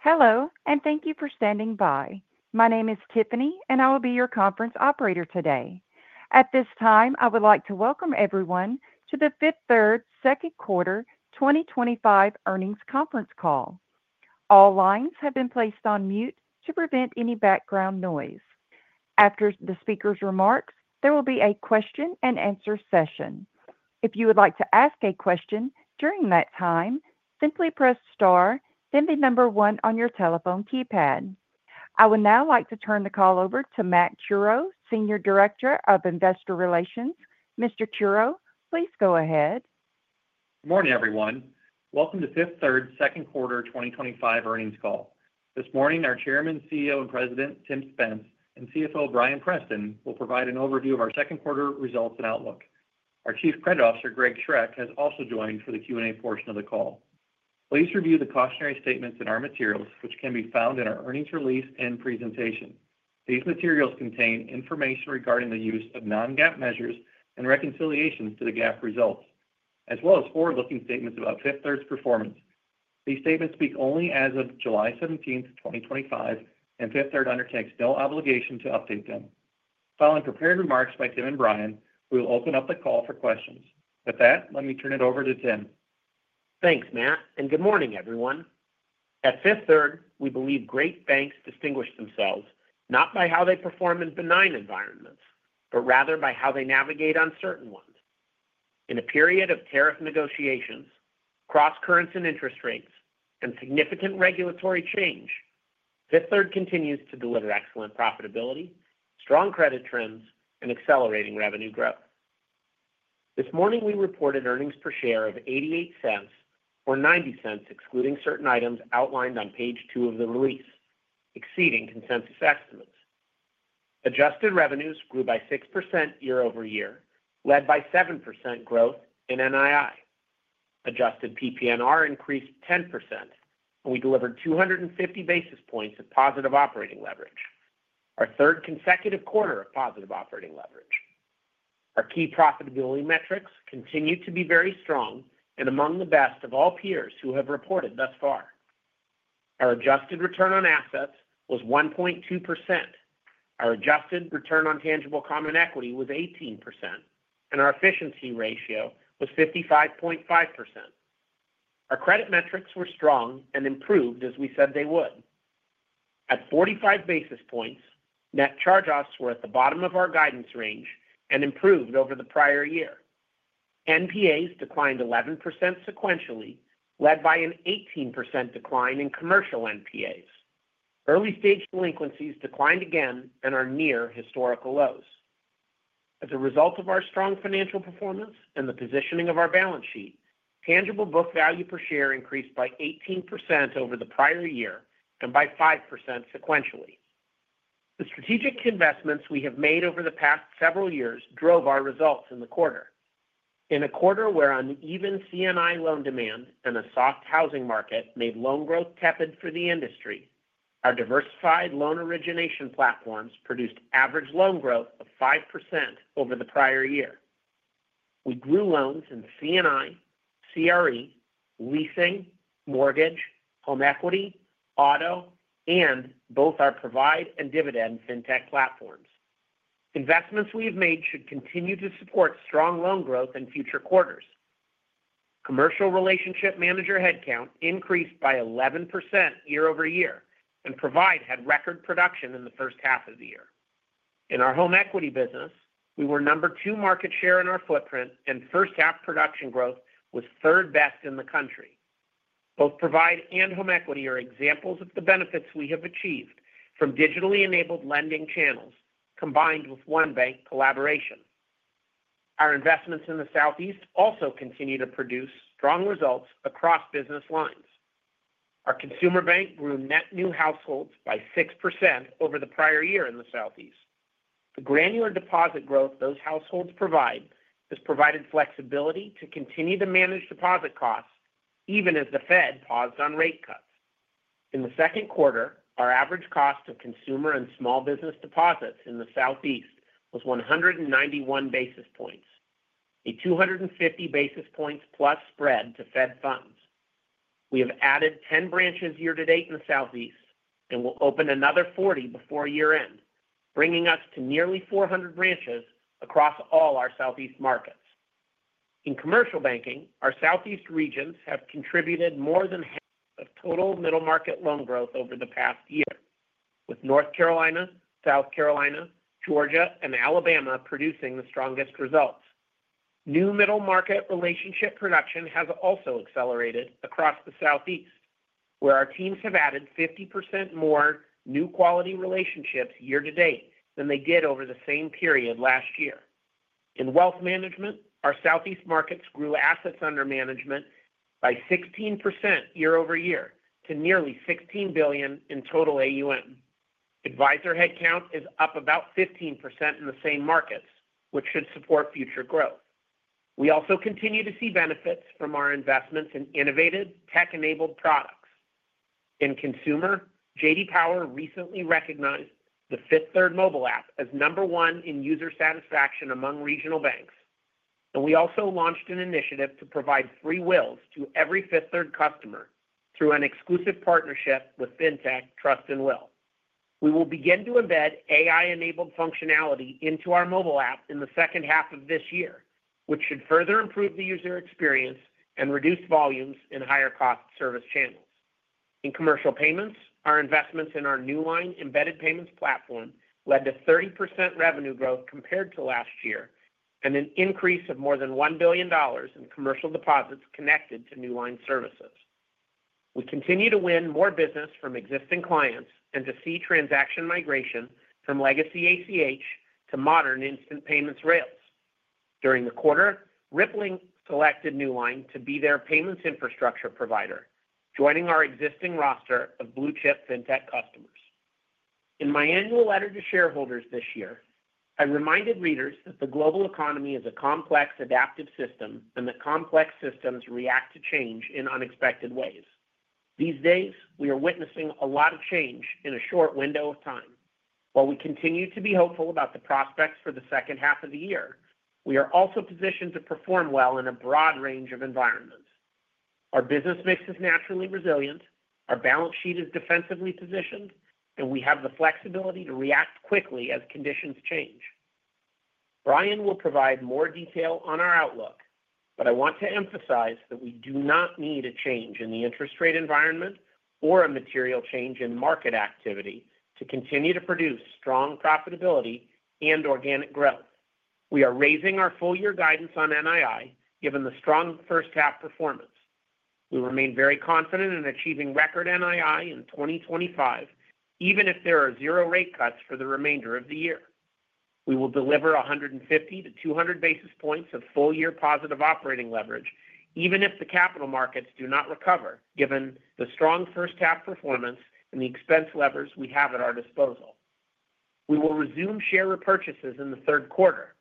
Hello, and thank you for standing by. My name is Tiffany, and I will be your conference operator today. At this time, I would like to welcome everyone to the Fifth Third second quarter 2025 earnings conference call. All lines have been placed on mute to prevent any background noise. After the speaker's remarks, there will be a question-and-answer session. If you would like to ask a question during that time, simply press star, then the number one on your telephone keypad. I would now like to turn the call over to Matt Curoe, Senior Director of Investor Relations. Mr. Curoe, please go ahead. Good morning, everyone. Welcome to Fifth Third second quarter 2025 earnings call. This morning, our Chairman, CEO, and President, Tim Spence, and CFO, Bryan Preston, will provide an overview of our second quarter results and outlook. Our Chief Credit Officer, Greg Schroeck, has also joined for the Q&A portion of the call. Please review the cautionary statements in our materials, which can be found in our earnings release and presentation. These materials contain information regarding the use of non-GAAP measures and reconciliations to the GAAP results, as well as forward-looking statements about Fifth Third's performance. These statements speak only as of July 17th, 2025, and Fifth Third undertakes no obligation to update them. Following prepared remarks by Tim and Bryan, we will open up the call for question s. With that, let me turn it over to Tim. Thanks, Matt, and good morning, everyone. At Fifth Third, we believe great banks distinguish themselves not by how they perform in benign environments, but rather by how they navigate uncertain ones. In a period of tariff negotiations, cross-currents in interest rates, and significant regulatory change, Fifth Third continues to deliver excellent profitability, strong credit trends, and accelerating revenue growth. This morning, we reported earnings per share of $0.88, or $0.90 excluding certain items outlined on page two of the release, exceeding consensus estimates. Adjusted revenues grew by 6% year-over-year, led by 7% growth in NII. Adjusted PPNR increased 10%, and we delivered 250 basis points of positive operating leverage, our third consecutive quarter of positive operating leverage. Our key profitability metrics continue to be very strong and among the best of all peers who have reported thus far. Our adjusted return on assets was 1.2%. Our adjusted return on tangible common equity was 18%, and our efficiency ratio was 55.5%. Our credit metrics were strong and improved as we said they would. At 45 basis points, net charge-offs were at the bottom of our guidance range and improved over the prior year. NPAs declined 11% sequentially, led by an 18% decline in commercial NPAs. Early-stage delinquencies declined again and are near historical lows. As a result of our strong financial performance and the positioning of our balance sheet, tangible book value per share increased by 18% over the prior year and by 5% sequentially. The strategic investments we have made over the past several years drove our results in the quarter. In a quarter where uneven C&I loan demand and a soft housing market made loan growth tepid for the industry, our diversified loan origination platforms produced average loan growth of 5% over the prior year. We grew loans in C&I, CRE, leasing, mortgage, home equity, auto, and both our Provide and Dividend fintech platforms. Investments we have made should continue to support strong loan growth in future quarters. Commercial relationship manager headcount increased by 11% year-over-year, and Provide had record production in the first half of the year. In our home equity business, we were number two market share in our footprint, and first half production growth was third best in the country. Both Provide and Home Equity are examples of the benefits we have achieved from digitally enabled lending channels combined with One Bank collaboration. Our investments in the Southeast also continue to produce strong results across business lines. Our consumer bank grew net new households by 6% over the prior year in the Southeast. The granular deposit growth those households provide has provided flexibility to continue to manage deposit costs even as the Fed paused on rate cuts. In the second quarter, our average cost of consumer and small business deposits in the Southeast was 191 basis points, a 250 basis points plus spread to Fed funds. We have added 10 branches year to date in the Southeast and will open another 40 before year-end, bringing us to nearly 400 branches across all our Southeast markets. In commercial banking, our Southeast regions have contributed more than half of total middle market loan growth over the past year, with North Carolina, South Carolina, Georgia, and Alabama producing the strongest results. New middle market relationship production has also accelerated across the Southeast, where our teams have added 50% more new quality relationships year to date than they did over the same period last year. In wealth management, our Southeast markets grew assets under management by 16% year-over-year to nearly $16 billion in total AUM. Advisor headcount is up about 15% in the same markets, which should support future growth. We also continue to see benefits from our investments in innovative tech-enabled products. In consumer, J.D. Power recently recognized the Fifth Third mobile app as number one in user satisfaction among regional banks, and we also launched an initiative to provide free wills to every Fifth Third customer through an exclusive partnership with Trust & Will. We will begin to embed AI-enabled functionality into our mobile app in the second half of this year, which should further improve the user experience and reduce volumes in higher-cost service channels. In commercial payments, our investments in our Newline embedded payments platform led to 30% revenue growth compared to last year and an increase of more than $1 billion in commercial deposits connected to Newline services. We continue to win more business from existing clients and to see transaction migration from legacy ACH to modern instant payments rails. During the quarter, Rippling selected Newline to be their payments infrastructure provider, joining our existing roster of blue-chip fintech customers. In my annual letter to shareholders this year, I reminded readers that the global economy is a complex, adaptive system and that complex systems react to change in unexpected ways. These days, we are witnessing a lot of change in a short window of time. While we continue to be hopeful about the prospects for the second half of the year, we are also positioned to perform well in a broad range of environments. Our business mix is naturally resilient, our balance sheet is defensively positioned, and we have the flexibility to react quickly as conditions change. Bryan will provide more detail on our outlook, but I want to emphasize that we do not need a change in the interest rate environment or a material change in market activity to continue to produce strong profitability and organic growth. We are raising our full-year guidance on NII given the strong first half performance. We remain very confident in achieving record NII in 2025, even if there are zero rate cuts for the remainder of the year. We will deliver 150 basis points-200 basis points of full-year positive operating leverage, even if the capital markets do not recover, given the strong first half performance and the expense levers we have at our disposal. We will resume share repurchases in the third quarter.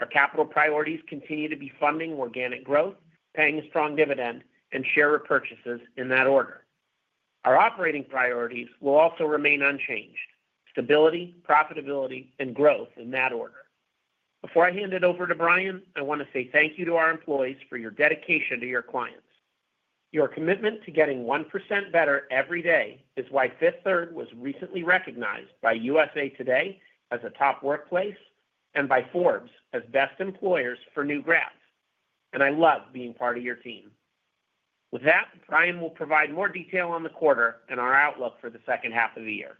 Our capital priorities continue to be funding organic growth, paying a strong dividend, and share repurchases in that order. Our operating priorities will also remain unchanged: stability, profitability, and growth in that order. Before I hand it over to Bryan, I want to say thank you to our employees for your dedication to your clients. Your commitment to getting 1% better every day is why Fifth Third was recently recognized by USA Today as a top workplace and by Forbes as best employers for new grads. And I love being part of your team. With that, Bryan will provide more detail on the quarter and our outlook for the second half of the year.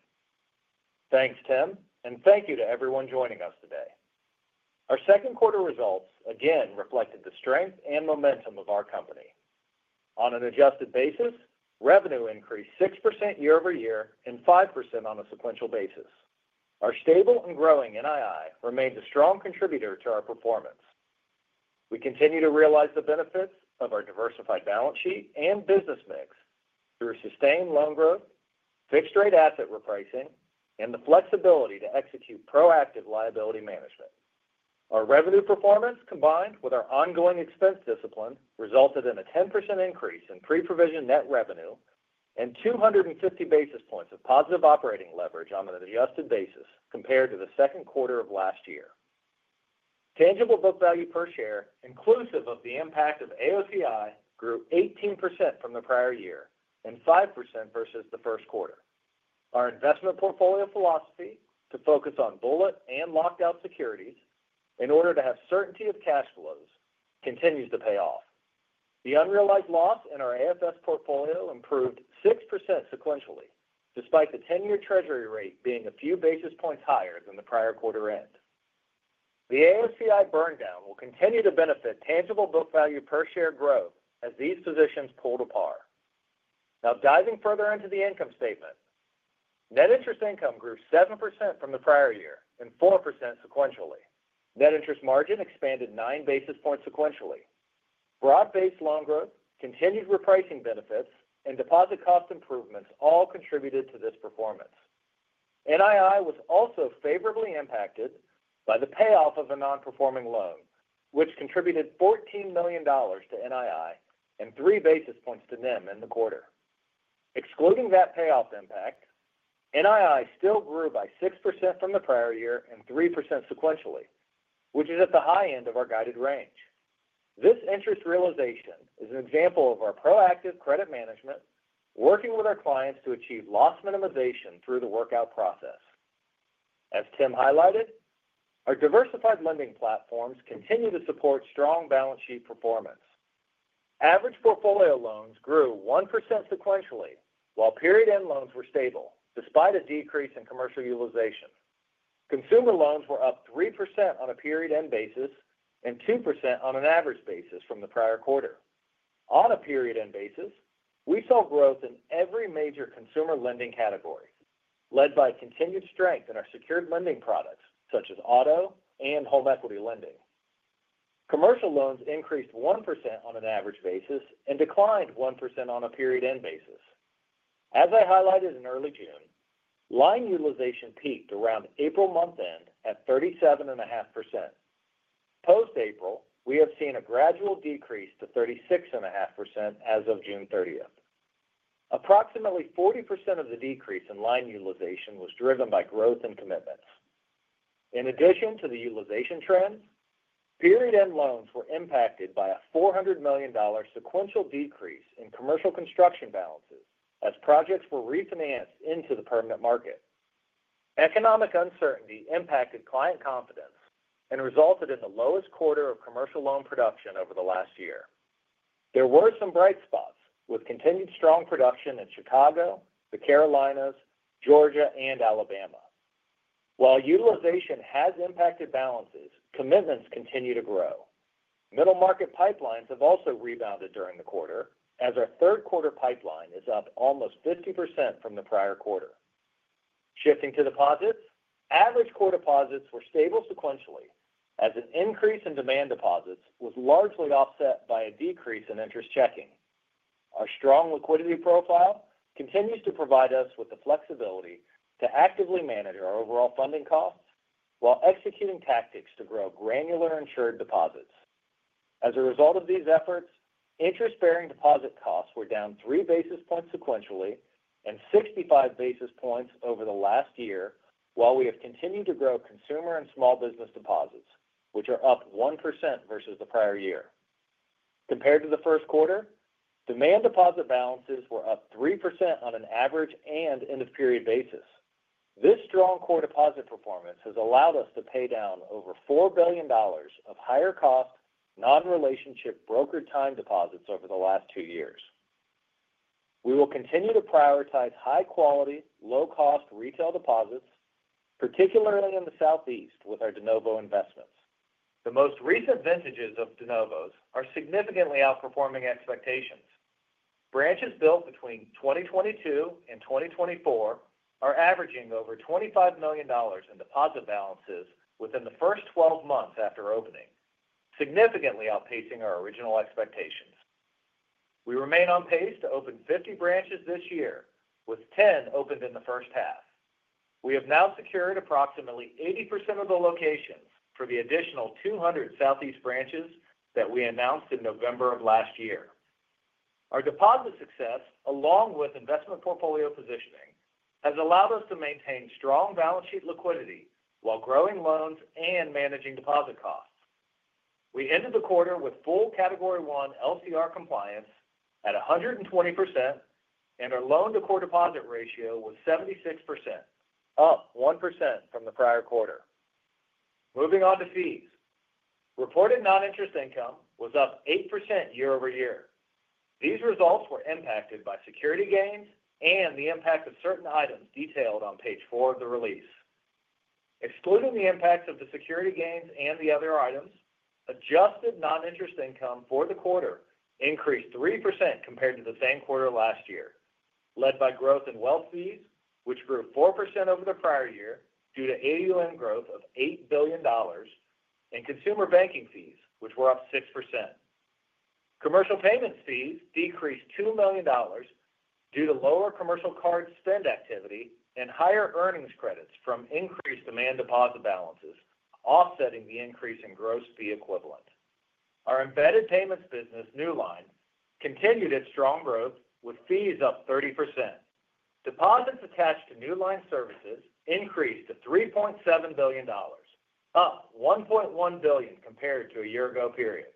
Thanks, Tim, and thank you to everyone joining us today. Our second quarter results again reflected the strength and momentum of our company. On an adjusted basis, revenue increased 6% year-over-year and 5% on a sequential basis. Our stable and growing NII remains a strong contributor to our performance. We continue to realize the benefits of our diversified balance sheet and business mix through sustained loan growth, fixed-rate asset repricing, and the flexibility to execute proactive liability management. Our revenue performance, combined with our ongoing expense discipline, resulted in a 10% increase in pre-provision net revenue and 250 basis points of positive operating leverage on an adjusted basis compared to the second quarter of last year. Tangible book value per share, inclusive of the impact of AOCI, grew 18% from the prior year and 5% versus the first quarter. Our investment portfolio philosophy to focus on bullet and locked-out securities in order to have certainty of cash flows continues to pay off. The unrealized loss in our AFS portfolio improved 6% sequentially, despite the 10-year Treasury rate being a few basis points higher than the prior quarter end. The AOCI burndown will continue to benefit tangible book value per share growth as these positions pull to par. Now, diving further into the income statement. Net interest income grew 7% from the prior year and 4% sequentially. Net interest margin expanded nine basis points sequentially. Broad-based loan growth, continued repricing benefits, and deposit cost improvements all contributed to this performance. NII was also favorably impacted by the payoff of a non-performing loan, which contributed $14 million to NII and three basis points to NIM in the quarter. Excluding that payoff impact, NII still grew by 6% from the prior year and 3% sequentially, which is at the high end of our guided range. This interest realization is an example of our proactive credit management, working with our clients to achieve loss minimization through the workout process. As Tim highlighted, our diversified lending platforms continue to support strong balance sheet performance. Average portfolio loans grew 1% sequentially while period-end loans were stable despite a decrease in commercial utilization. Consumer loans were up 3% on a period-end basis and 2% on an average basis from the prior quarter. On a period-end basis, we saw growth in every major consumer lending category, led by continued strength in our secured lending products such as auto and home equity lending. Commercial loans increased 1% on an average basis and declined 1% on a period-end basis. As I highlighted in early June, line utilization peaked around April month-end at 37.5%. Post-April, we have seen a gradual decrease to 36.5% as of June 30th. Approximately 40% of the decrease in line utilization was driven by growth and commitments. In addition to the utilization trend, period-end loans were impacted by a $400 million sequential decrease in commercial construction balances as projects were refinanced into the permanent market. Economic uncertainty impacted client confidence and resulted in the lowest quarter of commercial loan production over the last year. There were some bright spots with continued strong production in Chicago, the Carolinas, Georgia, and Alabama. While utilization has impacted balances, commitments continue to grow. Middle market pipelines have also rebounded during the quarter, as our third quarter pipeline is up almost 50% from the prior quarter. Shifting to deposits, average core deposits were stable sequentially as an increase in demand deposits was largely offset by a decrease in interest checking. Our strong liquidity profile continues to provide us with the flexibility to actively manage our overall funding costs while executing tactics to grow granular insured deposits. As a result of these efforts, interest-bearing deposit costs were down three basis points sequentially and 65 basis points over the last year, while we have continued to grow consumer and small business deposits, which are up 1% versus the prior year. Compared to the first quarter, demand deposit balances were up 3% on an average and end-of-period basis. This strong core deposit performance has allowed us to pay down over $4 billion of higher-cost non-relationship brokered time deposits over the last two years. We will continue to prioritize high-quality, low-cost retail deposits, particularly in the Southeast with our de novo investments. The most recent vintages of de novos are significantly outperforming expectations. Branches built between 2022 and 2024 are averaging over $25 million in deposit balances within the first 12 months after opening, significantly outpacing our original expectations. We remain on pace to open 50 branches this year, with 10 opened in the first half. We have now secured approximately 80% of the locations for the additional 200 Southeast branches that we announced in November of last year. Our deposit success, along with investment portfolio positioning, has allowed us to maintain strong balance sheet liquidity while growing loans and managing deposit costs. We ended the quarter with full Category I LCR compliance at 120%, and our loan-to-core deposit ratio was 76%, up 1% from the prior quarter. Moving on to fees, reported non-interest income was up 8% year-over-year. These results were impacted by security gains and the impact of certain items detailed on page four of the release. Excluding the impacts of the security gains and the other items, adjusted non-interest income for the quarter increased 3% compared to the same quarter last year, led by growth in wealth fees, which grew 4% over the prior year due to AUM growth of $8 billion. And consumer banking fees, which were up 6%. Commercial payments fees decreased $2 million due to lower commercial card spend activity and higher earnings credits from increased demand deposit balances, offsetting the increase in gross fee equivalent. Our embedded payments business, Newline, continued its strong growth, with fees up 30%. Deposits attached to Newline services increased to $3.7 billion, up $1.1 billion compared to a year ago period.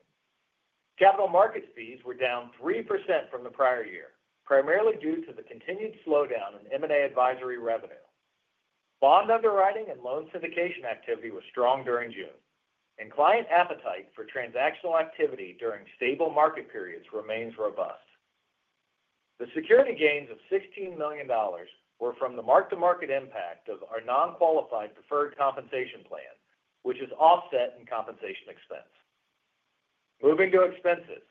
Capital markets fees were down 3% from the prior year, primarily due to the continued slowdown in M&A advisory revenue. Bond underwriting and loan syndication activity was strong during June, and client appetite for transactional activity during stable market periods remains robust. The security gains of $16 million were from the mark-to-market impact of our non-qualified preferred compensation plan, which is offset in compensation expense. Moving to expenses,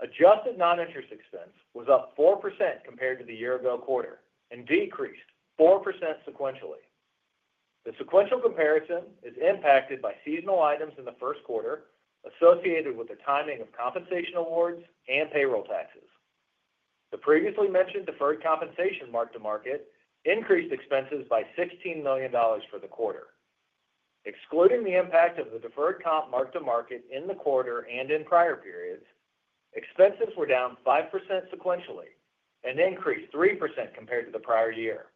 adjusted non-interest expense was up 4% compared to the year-ago quarter and decreased 4% sequentially. The sequential comparison is impacted by seasonal items in the first quarter associated with the timing of compensation awards and payroll taxes. The previously mentioned deferred compensation mark-to-market increased expenses by $16 million for the quarter. Excluding the impact of the deferred comp mark-to-market in the quarter and in prior periods, expenses were down 5% sequentially and increased 3% compared to the prior year.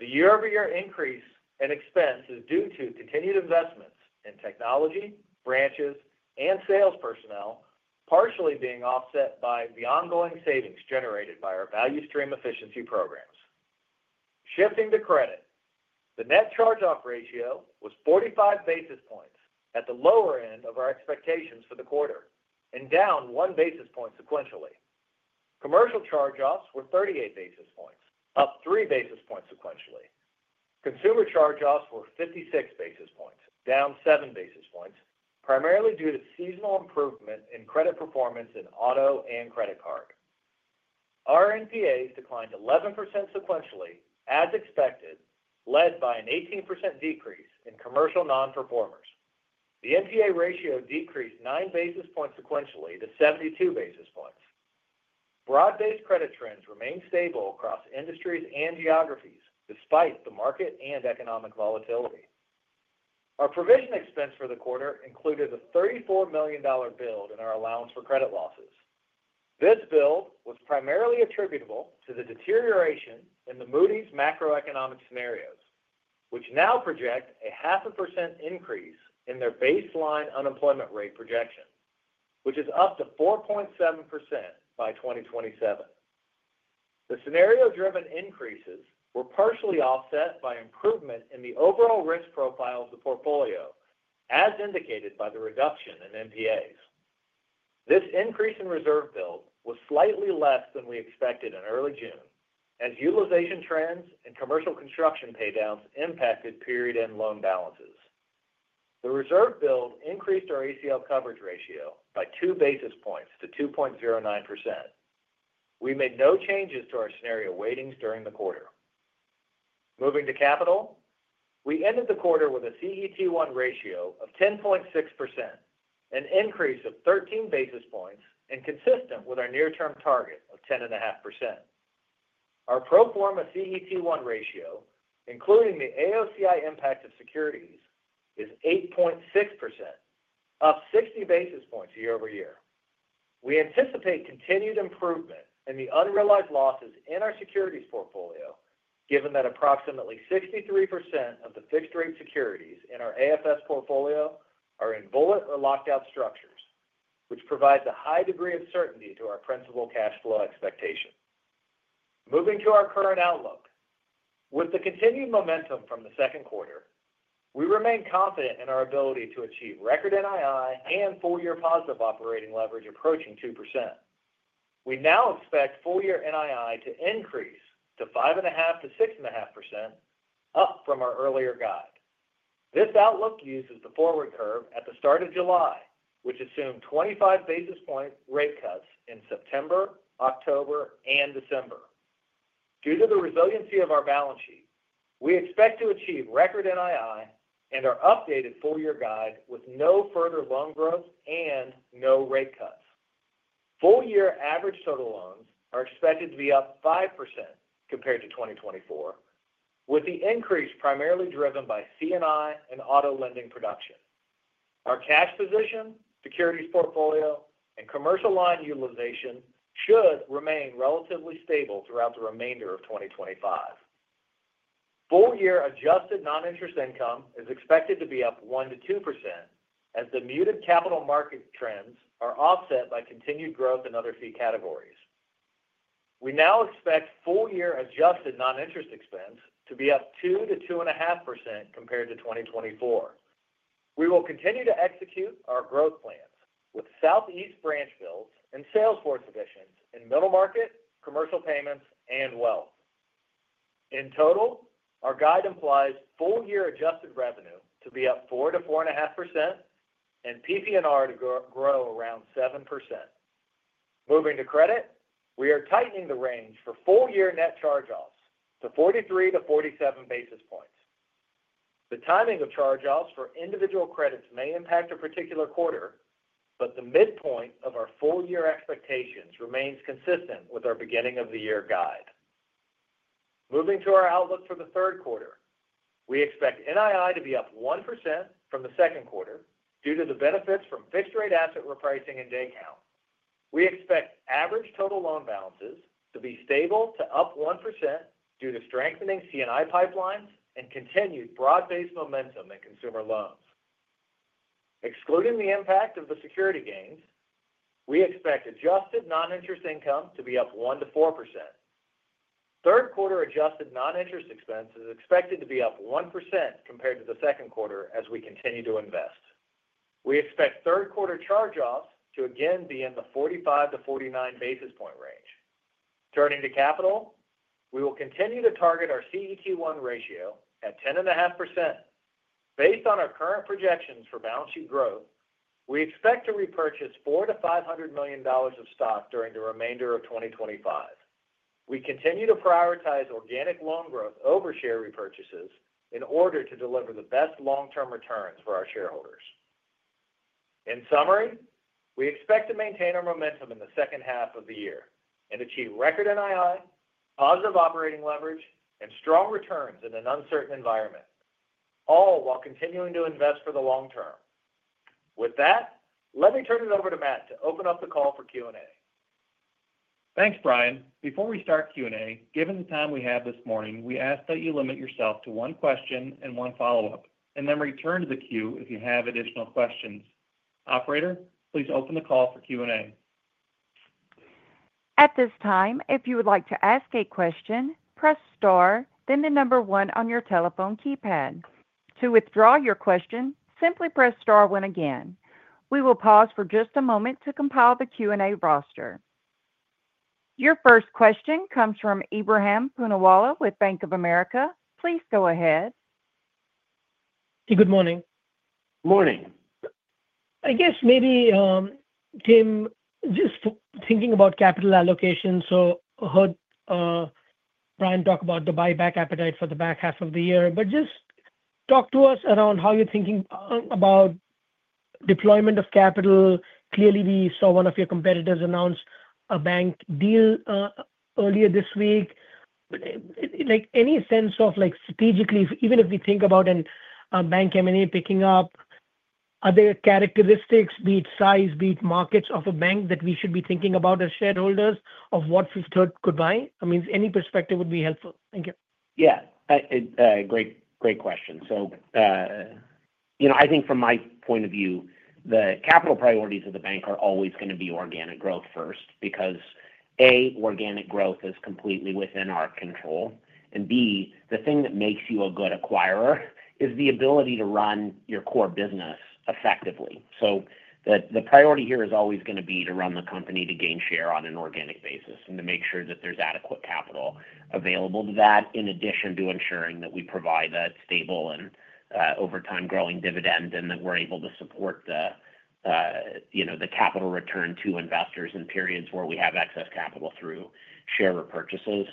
The year-over-year increase in expense is due to continued investments in technology, branches, and sales personnel, partially being offset by the ongoing savings generated by our value stream efficiency programs. Shifting to credit, the net charge-off ratio was 45 basis points at the lower end of our expectations for the quarter and down one basis point sequentially. Commercial charge-offs were 38 basis points, up three basis points sequentially. Consumer charge-offs were 56 basis points, down seven basis points, primarily due to seasonal improvement in credit performance in auto and credit card. Our NPAs declined 11% sequentially, as expected, led by an 18% decrease in commercial non-performers. The NPA ratio decreased nine basis points sequentially to 72 basis points. Broad-based credit trends remained stable across industries and geographies despite the market and economic volatility. Our provision expense for the quarter included a $34 million build in our allowance for credit losses. This build was primarily attributable to the deterioration in the Moody's macroeconomic scenarios, which now project a 0.5% increase in their baseline unemployment rate projection, which is up to 4.7% by 2027. The scenario-driven increases were partially offset by improvement in the overall risk profile of the portfolio, as indicated by the reduction in NPAs. This increase in reserve build was slightly less than we expected in early June, as utilization trends and commercial construction paydowns impacted period-end loan balances. The reserve build increased our ACL coverage ratio by two basis points to 2.09%. We made no changes to our scenario weightings during the quarter. Moving to capital, we ended the quarter with a CET1 ratio of 10.6%, an increase of 13 basis points and consistent with our near-term target of 10.5%. Our pro forma CET1 ratio, including the AOCI impact of securities, is 8.6%, up 60 basis points year-over-year. We anticipate continued improvement in the unrealized losses in our securities portfolio, given that approximately 63% of the fixed-rate securities in our AFS portfolio are in bullet or locked-out structures, which provides a high degree of certainty to our principal cash flow expectation. Moving to our current outlook, with the continued momentum from the second quarter, we remain confident in our ability to achieve record NII and full-year positive operating leverage approaching 2%. We now expect full-year NII to increase to 5.5%-6.5%. Up from our earlier guide. This outlook uses the forward curve at the start of July, which assumed 25 basis point rate cuts in September, October, and December. Due to the resiliency of our balance sheet, we expect to achieve record NII and our updated full-year guide with no further loan growth and no rate cuts. Full-year average total loans are expected to be up 5% compared to 2024, with the increase primarily driven by C&I and auto lending production. Our cash position, securities portfolio, and commercial line utilization should remain relatively stable throughout the remainder of 2025. Full-year adjusted non-interest income is expected to be up 1%-2%, as the muted capital market trends are offset by continued growth in other fee categories. We now expect full-year adjusted non-interest expense to be up 2%-2.5% compared to 2024. We will continue to execute our growth plans with Southeast branch builds and sales force additions in middle market, commercial payments, and wealth. In total, our guide implies full-year adjusted revenue to be up 4%-4.5% and PPNR to grow around 7%. Moving to credit, we are tightening the range for full-year net charge-offs to 43 basis poitns-47 basis points. The timing of charge-offs for individual credits may impact a particular quarter, but the midpoint of our full-year expectations remains consistent with our beginning-of-the-year guide. Moving to our outlook for the third quarter, we expect NII to be up 1% from the second quarter due to the benefits from fixed-rate asset repricing and day count. We expect average total loan balances to be stable to up 1% due to strengthening C&I pipelines and continued broad-based momentum in consumer loans. Excluding the impact of the security gains, we expect adjusted non-interest income to be up 1%-4%. Third quarter adjusted non-interest expense is expected to be up 1% compared to the second quarter as we continue to invest. We expect third quarter charge-offs to again be in the 45 basis points-49 basis point range. Turning to capital, we will continue to target our CET1 ratio at 10.5%. Based on our current projections for balance sheet growth, we expect to repurchase $400 million-$500 million of stock during the remainder of 2025. We continue to prioritize organic loan growth over share repurchases in order to deliver the best long-term returns for our shareholders. In summary, we expect to maintain our momentum in the second half of the year and achieve record NII, positive operating leverage, and strong returns in an uncertain environment. All while continuing to invest for the long term. With that, let me turn it over to Matt to open up the call for Q&A. Thanks, Bryan. Before we start Q&A, given the time we have this morning, we ask that you limit yourself to one question and one follow-up, and then return to the queue if you have additional questions. Operator, please open the call for Q&A. At this time, if you would like to ask a question, press star, then the number one on your telephone keypad. To withdraw your question, simply press star one again. We will pause for just a moment to compile the Q&A roster. Your first question comes from Ebrahim Poonawala with Bank of America. Please go ahead. Good morning. Morning. I guess maybe. Tim, just thinking about capital allocation. So I heard. Bryan talk about the buyback appetite for the back half of the year, but just talk to us around how you're thinking about deployment of capital. Clearly, we saw one of your competitors announce a bank deal earlier this week. Any sense of, strategically, even if we think about a bank M&A picking up. Are there characteristics, be it size, be it markets of a bank, that we should be thinking about as shareholders of what Fifth Third could buy? I mean, any perspective would be helpful. Thank you. Yeah. Great question. So. I think from my point of view, the capital priorities of the bank are always going to be organic growth first because, A, organic growth is completely within our control, and B, the thing that makes you a good acquirer is the ability to run your core business effectively. So the priority here is always going to be to run the company to gain share on an organic basis and to make sure that there's adequate capital available to that in addition to ensuring that we provide a stable and over time growing dividend and that we're able to support the capital return to investors in periods where we have excess capital through share repurchases.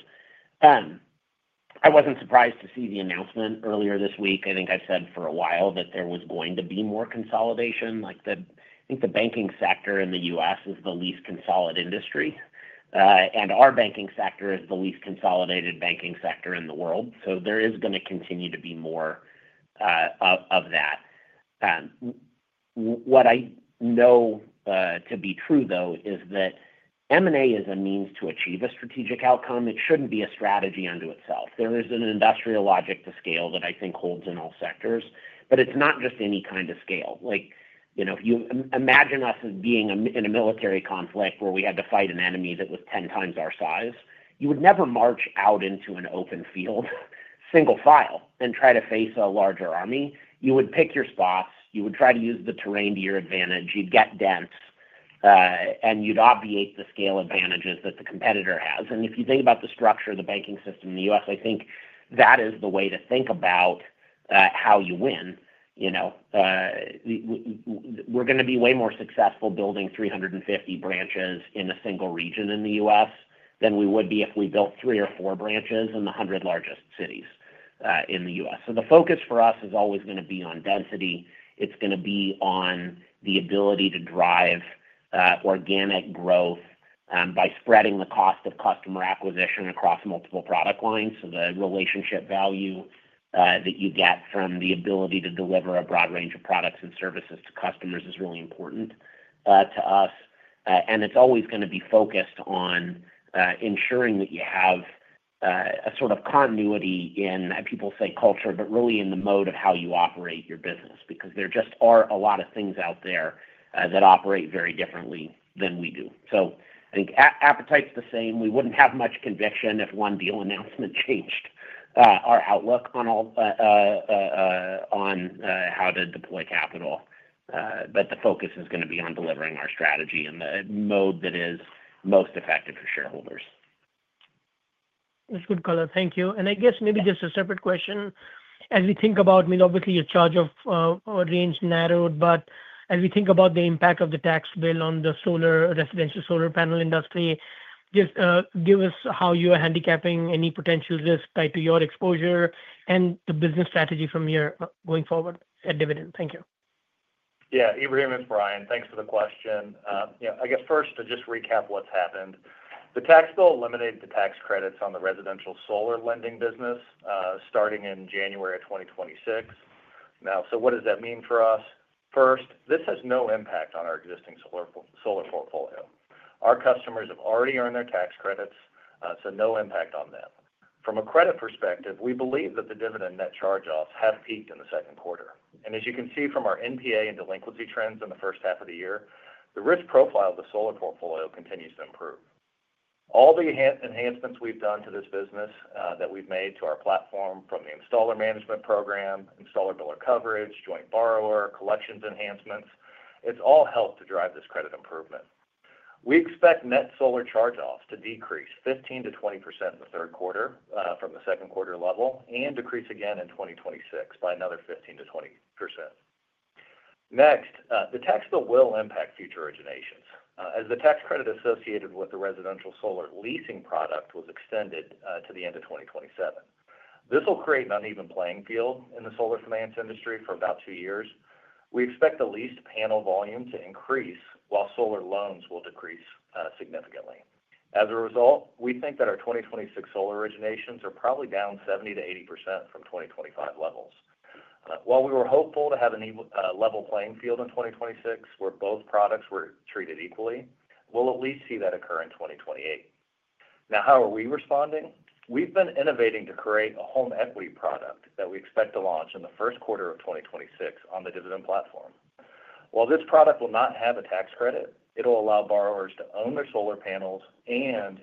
I wasn't surprised to see the announcement earlier this week. I think I've said for a while that there was going to be more consolidation. I think the banking sector in the U.S. is the least consolidated industry, and our banking sector is the least consolidated banking sector in the world. So there is going to continue to be more of that. What I know to be true, though, is that M&A is a means to achieve a strategic outcome. It shouldn't be a strategy unto itself. There is an industrial logic to scale that I think holds in all sectors, but it's not just any kind of scale. If you imagine us being in a military conflict where we had to fight an enemy that was 10x our size, you would never march out into an open field single file and try to face a larger army. You would pick your spots. You would try to use the terrain to your advantage. You'd get dense. And you'd obviate the scale advantages that the competitor has. And if you think about the structure of the banking system in the U.S., I think that is the way to think about how you win. We're going to be way more successful building 350 branches in a single region in the U.S. than we would be if we built three or four branches in the 100 largest cities in the U.S. So the focus for us is always going to be on density. It's going to be on the ability to drive organic growth by spreading the cost of customer acquisition across multiple product lines. So the relationship value that you get from the ability to deliver a broad range of products and services to customers is really important to us. And it's always going to be focused on ensuring that you have a sort of continuity in, people say culture, but really in the mode of how you operate your business because there just are a lot of things out there that operate very differently than we do. So I think appetite's the same. We wouldn't have much conviction if one deal announcement changed our outlook on how to deploy capital. But the focus is going to be on delivering our strategy in the mode that is most effective for shareholders. That's good color. Thank you. And I guess maybe just a separate question. As we think about, I mean, obviously your charge-off range narrowed, but as we think about the impact of the tax bill on the residential solar panel industry, just give us how you are handicapping any potential risk tied to your exposure and the business strategy from here going forward at Dividend. Thank you. Yeah. Ebrahim, it's Bryan. Thanks for the question. I guess first to just recap what's happened. The tax bill eliminated the tax credits on the residential solar lending business starting in January of 2026. Now, so what does that mean for us? First, this has no impact on our existing solar portfolio. Our customers have already earned their tax credits, so no impact on them. From a credit perspective, we believe that the Dividend net charge-offs have peaked in the second quarter. And as you can see from our NPA and delinquency trends in the first half of the year, the risk profile of the solar portfolio continues to improve. All the enhancements we've done to this business that we've made to our platform from the installer management program, installer bill of coverage, joint borrower, collections enhancements, it's all helped to drive this credit improvement. We expect net solar charge-offs to decrease 15%-20% in the third quarter from the second quarter level and decrease again in 2026 by another 15%-20%. Next, the tax bill will impact future originations as the tax credit associated with the residential solar leasing product was extended to the end of 2027. This will create an uneven playing field in the solar finance industry for about two years. We expect the leased panel volume to increase while solar loans will decrease significantly. As a result, we think that our 2026 solar originations are probably down 70%-80% from 2025 levels. While we were hopeful to have an even level playing field in 2026 where both products were treated equally, we will at least see that occur in 2028. Now, how are we responding? We have been innovating to create a home equity product that we expect to launch in the first quarter of 2026 on the Dividend platform. While this product will not have a tax credit, it will allow borrowers to own their solar panels and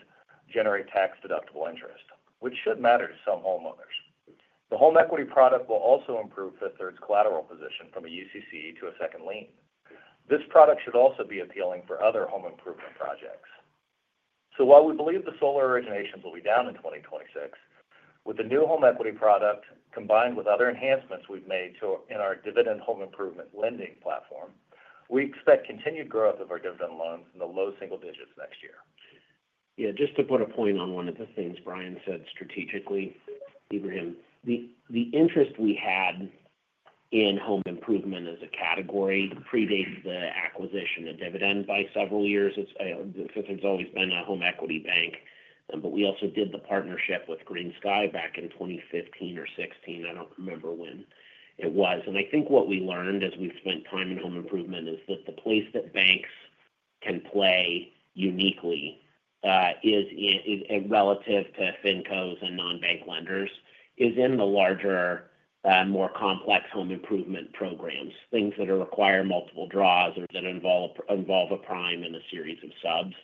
generate tax-deductible interest, which should matter to some homeowners. The home equity product will also improve Fifth Third's collateral position from a UCC to a second lien. This product should also be appealing for other home improvement projects. So while we believe the solar originations will be down in 2026, with the new home equity product combined with other enhancements we have made in our Dividend Home Improvement Lending Platform, we expect continued growth of our Dividend loans in the low single-digits next year. Yeah. Just to put a point on one of the things Bryan said strategically, Ebrahim, the interest we had in home improvement as a category predates the acquisition of Dividend by several years. Fifth Third has always been a home equity bank, but we also did the partnership with GreenSky back in 2015 or 2016. I do not remember when it was. And I think what we learned as we have spent time in home improvement is that the place that banks can play uniquely relative to fincos and non-bank lenders is in the larger, more complex home improvement programs, things that require multiple draws or that involve a prime and a series of subs.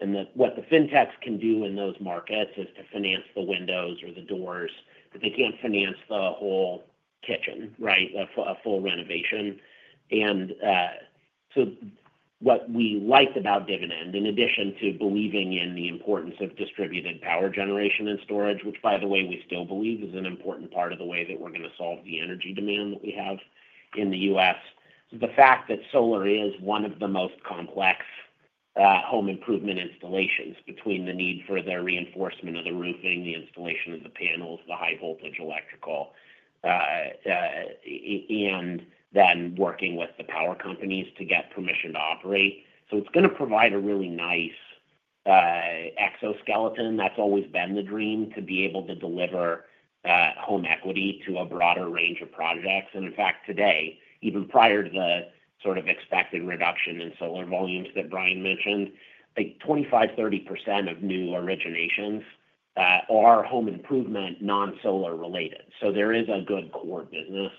And what the fintechs can do in those markets is to finance the windows or the doors, but they cannot finance the whole kitchen, right? A full renovation. So what we liked about Dividend, in addition to believing in the importance of distributed power generation and storage, which, by the way, we still believe is an important part of the way that we are going to solve the energy demand that we have in the U.S., is the fact that solar is one of the most complex home improvement installations between the need for the reinforcement of the roofing, the installation of the panels, the high-voltage electrical, and then working with the power companies to get permission to operate. So it is going to provide a really nice exoskeleton. That has always been the dream to be able to deliver home equity to a broader range of projects. And in fact, today, even prior to the sort of expected reduction in solar volumes that Bryan mentioned, I think 25%-30% of new originations are home improvement non-solar related. So there is a good core business.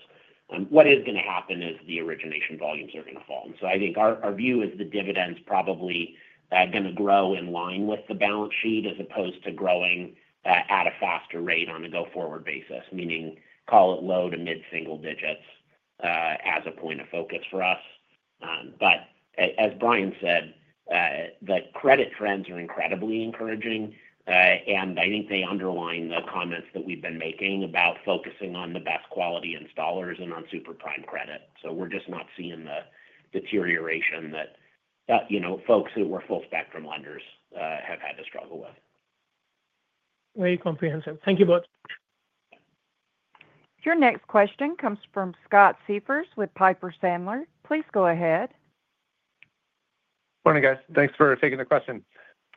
What is going to happen is the origination volumes are going to fall. And so I think our view is the dividend's probably going to grow in line with the balance sheet as opposed to growing at a faster rate on a go-forward basis, meaning call it low to mid-single-digits as a point of focus for us. But as Bryan said. The credit trends are incredibly encouraging. And I think they underline the comments that we've been making about focusing on the best quality installers and on super prime credit. So we're just not seeing the deterioration that. Folks who were full-spectrum lenders have had to struggle with. Very comprehensive. Thank you both. Your next question comes from Scott Siefers with Piper Sandler. Please go ahead. Morning, guys. Thanks for taking the question.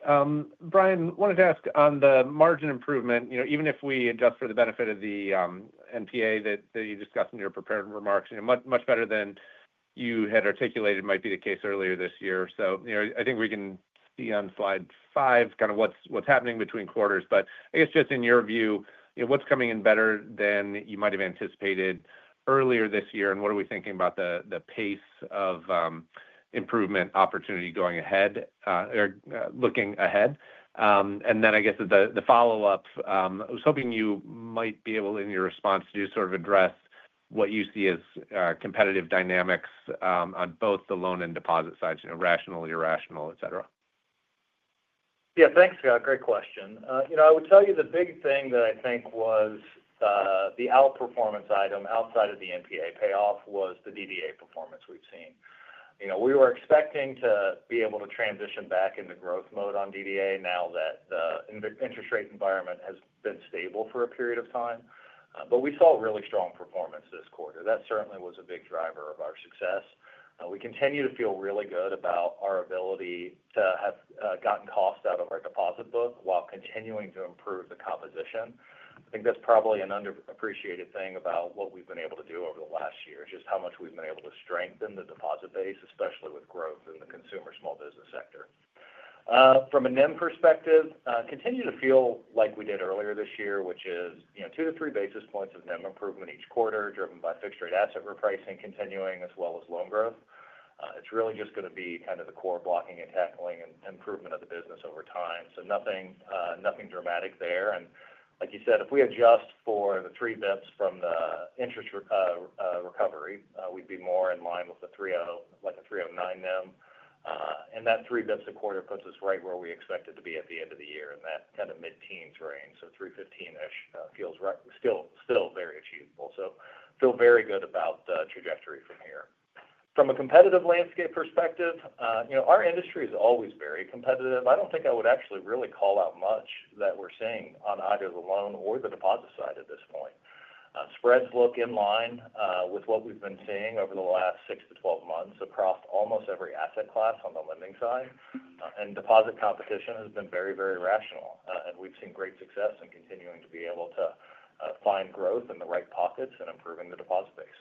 Bryan, wanted to ask on the margin improvement, even if we adjust for the benefit of the NPA that you discussed in your prepared remarks, much better than you had articulated might be the case earlier this year. So I think we can see on slide five kind of what's happening between quarters. But I guess just in your view, what's coming in better than you might have anticipated earlier this year? And what are we thinking about the pace of improvement opportunity going ahead or looking ahead? And then I guess the follow-up, I was hoping you might be able, in your response, to sort of address what you see as competitive dynamics on both the loan and deposit sides, rational, irrational, etc. Yeah. Thanks, Scott. Great question. I would tell you the big thing that I think was. The outperformance item outside of the NPA payoff was the DDA performance we've seen. We were expecting to be able to transition back into growth mode on DDA now that the interest rate environment has been stable for a period of time. But we saw really strong performance this quarter. That certainly was a big driver of our success. We continue to feel really good about our ability to have gotten costs out of our deposit book while continuing to improve the composition. I think that's probably an underappreciated thing about what we've been able to do over the last year, just how much we've been able to strengthen the deposit base, especially with growth in the consumer small business sector. From a NIM perspective, continue to feel like we did earlier this year, which is 2 basis points-3 basis points of NIM improvement each quarter driven by fixed-rate asset repricing continuing as well as loan growth. It's really just going to be kind of the core blocking and tackling and improvement of the business over time. So nothing. Dramatic there. And like you said, if we adjust for the three basis points from the interest recovery, we'd be more in line with a 3.09% NIM. And that three basis points a quarter puts us right where we expect it to be at the end of the year in that kind of mid-teens range. So 3.15%-ish feels still very achievable. So feel very good about the trajectory from here. From a competitive landscape perspective, our industry is always very competitive. I don't think I would actually really call out much that we're seeing on either the loan or the deposit side at this point. Spreads look in line with what we've been seeing over the last 6 months-12 months across almost every asset class on the lending side. And deposit competition has been very, very rational. And we've seen great success in continuing to be able to find growth in the right pockets and improving the deposit base.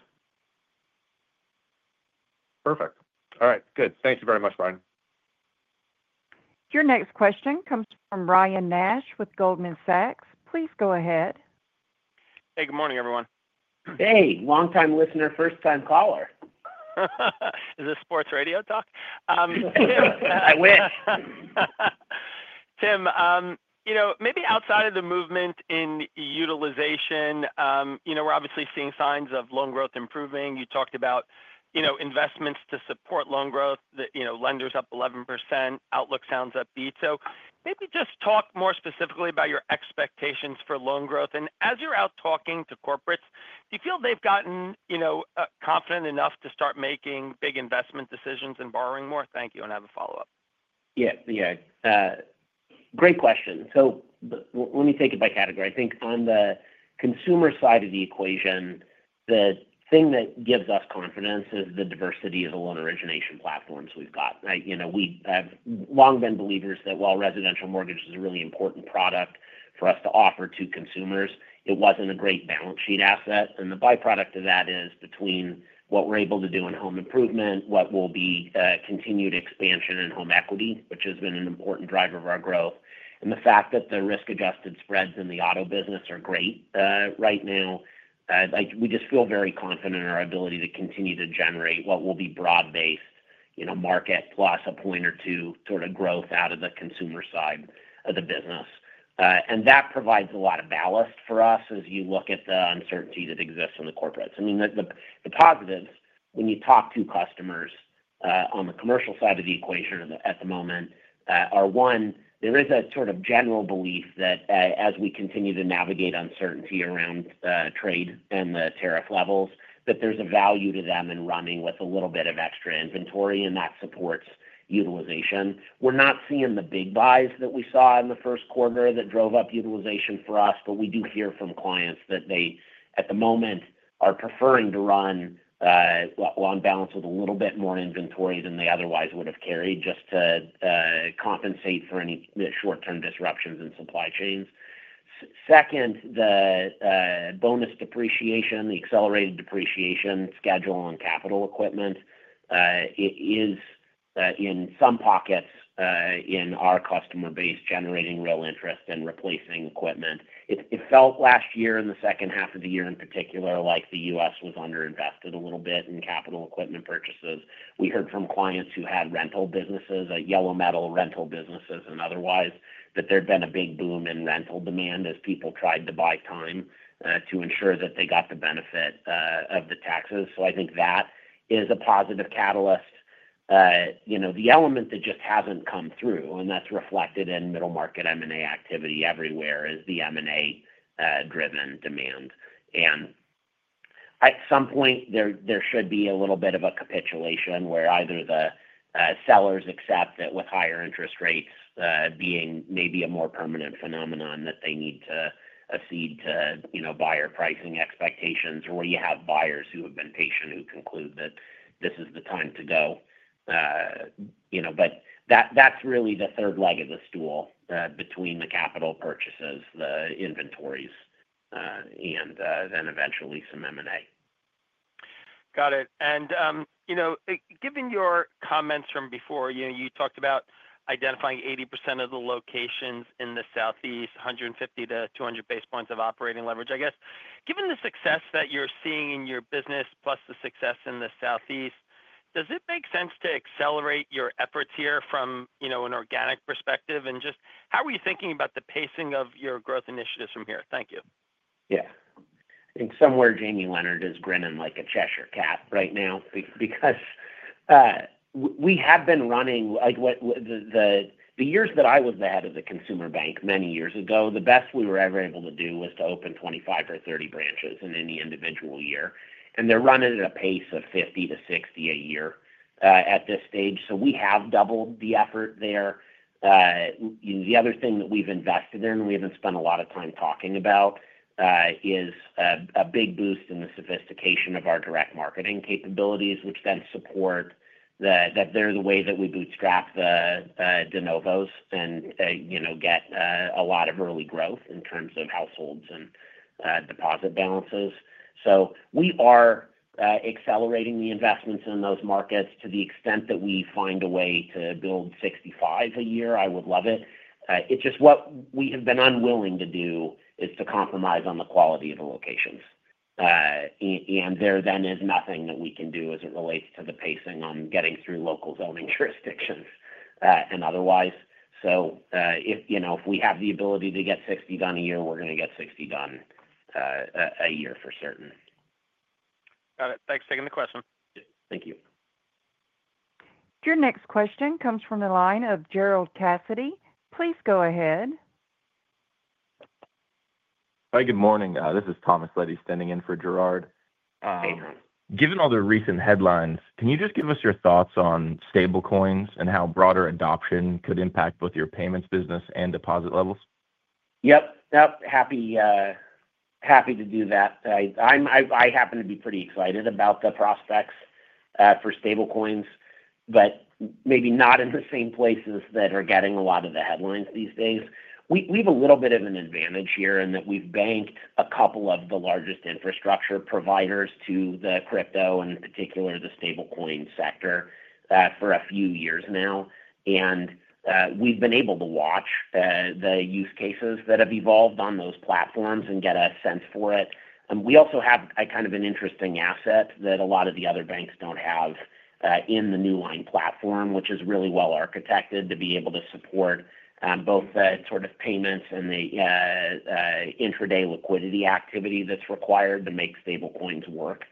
Perfect. All right. Good. Thank you very much, Bryan. Your next question comes from Ryan Nash with Goldman Sachs. Please go ahead. Hey, good morning, everyone. Hey, longtime listener, first-time caller. Is this sports radio talk? I wish. Tim. Maybe outside of the movement in utilization, we're obviously seeing signs of loan growth improving. You talked about investments to support loan growth. Lenders up 11%. Outlook sounds upbeat. So maybe just talk more specifically about your expectations for loan growth. And as you're out talking to corporates, do you feel they've gotten confident enough to start making big investment decisions and borrowing more? Thank you. I have a follow-up. Yes. Yeah. Great question. So let me take it by category. I think on the consumer side of the equation, the thing that gives us confidence is the diversity of the loan origination platforms we've got. We have long been believers that while residential mortgage is a really important product for us to offer to consumers, it wasn't a great balance sheet asset. And the byproduct of that is between what we're able to do in home improvement, what will be continued expansion in home equity, which has been an important driver of our growth, and the fact that the risk-adjusted spreads in the auto business are great right now. We just feel very confident in our ability to continue to generate what will be broad-based market plus a point or two sort of growth out of the consumer side of the business. And that provides a lot of ballast for us as you look at the uncertainty that exists in the corporates. I mean, the positives, when you talk to customers on the commercial side of the equation at the moment, are one, there is a sort of general belief that as we continue to navigate uncertainty around trade and the tariff levels, that there's a value to them in running with a little bit of extra inventory, and that supports utilization. We're not seeing the big buys that we saw in the first quarter that drove up utilization for us, but we do hear from clients that they, at the moment, are preferring to run on balance with a little bit more inventory than they otherwise would have carried just to compensate for any short-term disruptions in supply chains. Second, the bonus depreciation, the accelerated depreciation schedule on capital equipment. It's in some pockets in our customer base generating real interest in replacing equipment. It felt last year in the second half of the year in particular like the U.S. was underinvested a little bit in capital equipment purchases. We heard from clients who had rental businesses, yellow metal rental businesses and otherwise, that there had been a big boom in rental demand as people tried to buy time to ensure that they got the benefit of the taxes. So I think that is a positive catalyst. The element that just hasn't come through, and that's reflected in middle market M&A activity everywhere, is the M&A-driven demand. And at some point, there should be a little bit of a capitulation where either the sellers accept that with higher interest rates being maybe a more permanent phenomenon that they need to cede to buyer pricing expectations, or where you have buyers who have been patient who conclude that this is the time to go. But that's really the third leg of the stool between the capital purchases, the inventories, and then eventually some M&A. Got it. And given your comments from before, you talked about identifying 80% of the locations in the Southeast, 150 basis points-200 basis points of operating leverage. I guess, given the success that you're seeing in your business plus the success in the Southeast, does it make sense to accelerate your efforts here from an organic perspective? And just how are you thinking about the pacing of your growth initiatives from here? Thank you. Yeah. I think somewhere Jamie Leonard is grinning like a Cheshire cat right now because we have been running. The years that I was the head of the consumer bank many years ago, the best we were ever able to do was to open 25 or 30 branches in any individual year. And they're running at a pace of 50 branches-60 branches a year at this stage. So we have doubled the effort there. The other thing that we've invested in, we haven't spent a lot of time talking about, is a big boost in the sophistication of our direct marketing capabilities, which then support that they're the way that we bootstrap the de novos and get a lot of early growth in terms of households and deposit balances. So we are accelerating the investments in those markets to the extent that we find a way to build 65 branches a year, I would love it. It's just what we have been unwilling to do is to compromise on the quality of the locations. And there then is nothing that we can do as it relates to the pacing on getting through local zoning jurisdictions and otherwise. So if we have the ability to get 60 branches done a year, we're going to get 60 branches done a year for certain. Got it. Thanks for taking the question. Thank you. Your next question comes from the line of Gerard Cassidy. Please go ahead. Hi. Good morning. This is Thomas Leddy standing in for Gerard. Hey. Given all the recent headlines, can you just give us your thoughts on stablecoins and how broader adoption could impact both your payments business and deposit levels? Yep. Yep. Happy to do that. I happen to be pretty excited about the prospects for stablecoins, but maybe not in the same places that are getting a lot of the headlines these days. We have a little bit of an advantage here in that we've banked a couple of the largest infrastructure providers to the crypto and particularly the stablecoin sector for a few years now. And we've been able to watch the use cases that have evolved on those platforms and get a sense for it. And we also have kind of an interesting asset that a lot of the other banks don't have in the Newline platform, which is really well architected to be able to support both the sort of payments and the intraday liquidity activity that's required to make stablecoins work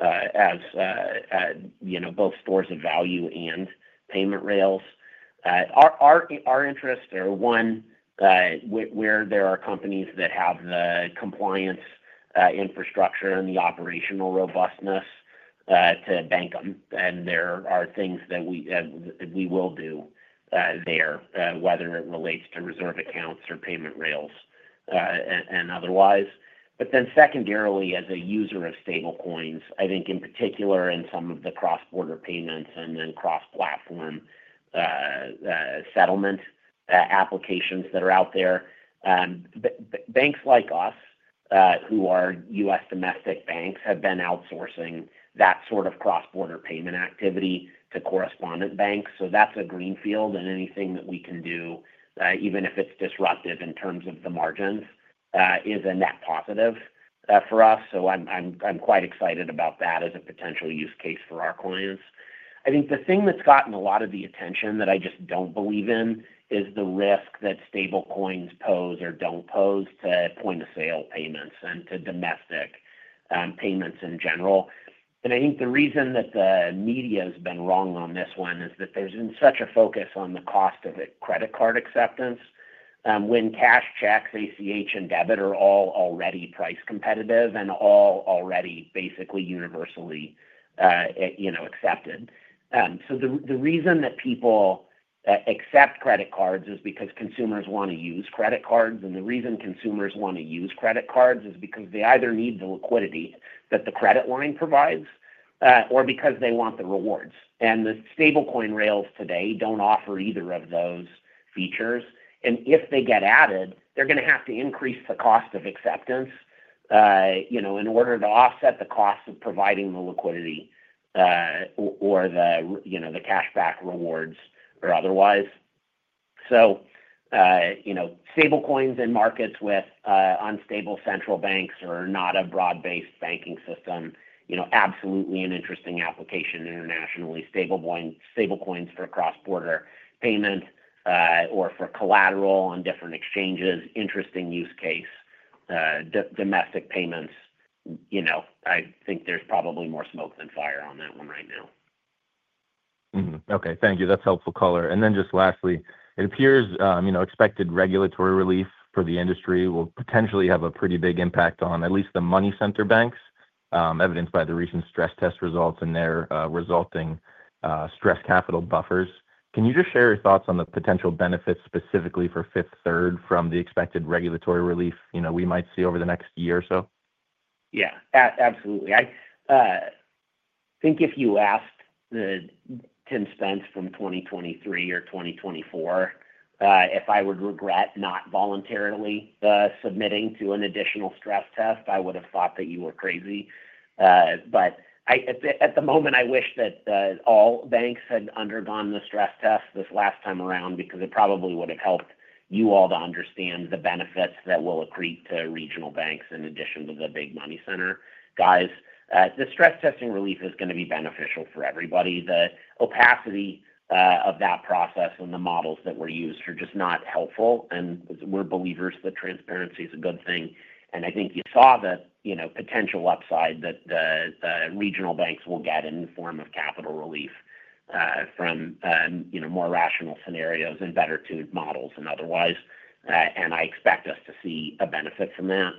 as both stores of value and payment rails. Our interests are one where there are companies that have the compliance infrastructure and the operational robustness to bank them. And there are things that we will do there, whether it relates to reserve accounts or payment rails and otherwise. But then secondarily, as a user of stablecoins, I think in particular in some of the cross-border payments and then cross-platform settlement applications that are out there. Banks like us who are U.S. domestic banks have been outsourcing that sort of cross-border payment activity to correspondent banks. So that's a greenfield. And anything that we can do even if it's disruptive in terms of the margins is a net positive for us. So I'm quite excited about that as a potential use case for our clients. I think the thing that's gotten a lot of the attention that I just don't believe in is the risk that stablecoins pose or don't pose to point-of-sale payments and to domestic payments in general. And I think the reason that the media has been wrong on this one is that there's been such a focus on the cost of credit card acceptance when cash, checks, ACH, and debit are all already price competitive and all already basically universally accepted. So the reason that people accept credit cards is because consumers want to use credit cards. And the reason consumers want to use credit cards is because they either need the liquidity that the credit line provides or because they want the rewards. And the stablecoin rails today don't offer either of those features. And if they get added, they're going to have to increase the cost of acceptance in order to offset the cost of providing the liquidity or the cashback rewards or otherwise. So stablecoins in markets with unstable central banks or not a broad-based banking system absolutely an interesting application internationally. Stablecoins for cross-border payment or for collateral on different exchanges, interesting use case. Domestic payments. I think there's probably more smoke than fire on that one right now. Okay. Thank you. That's helpful color. And then just lastly, it appears expected regulatory relief for the industry will potentially have a pretty big impact on at least the money center banks, evidenced by the recent stress test results and their resulting stress capital buffers. Can you just share your thoughts on the potential benefits specifically for Fifth Third from the expected regulatory relief we might see over the next year or so? Yeah. Absolutely. I think if you asked the consensus from 2023 or 2024. If I would regret not voluntarily submitting to an additional stress test, I would have thought that you were crazy. But. At the moment, I wish that all banks had undergone the stress test this last time around because it probably would have helped you all to understand the benefits that will accrete to regional banks in addition to the big money center guys. The stress testing relief is going to be beneficial for everybody. The opacity of that process and the models that were used are just not helpful. And we're believers that transparency is a good thing. And I think you saw the potential upside that the regional banks will get in the form of capital relief. More rational scenarios and better-tuned models and otherwise. And I expect us to see a benefit from that.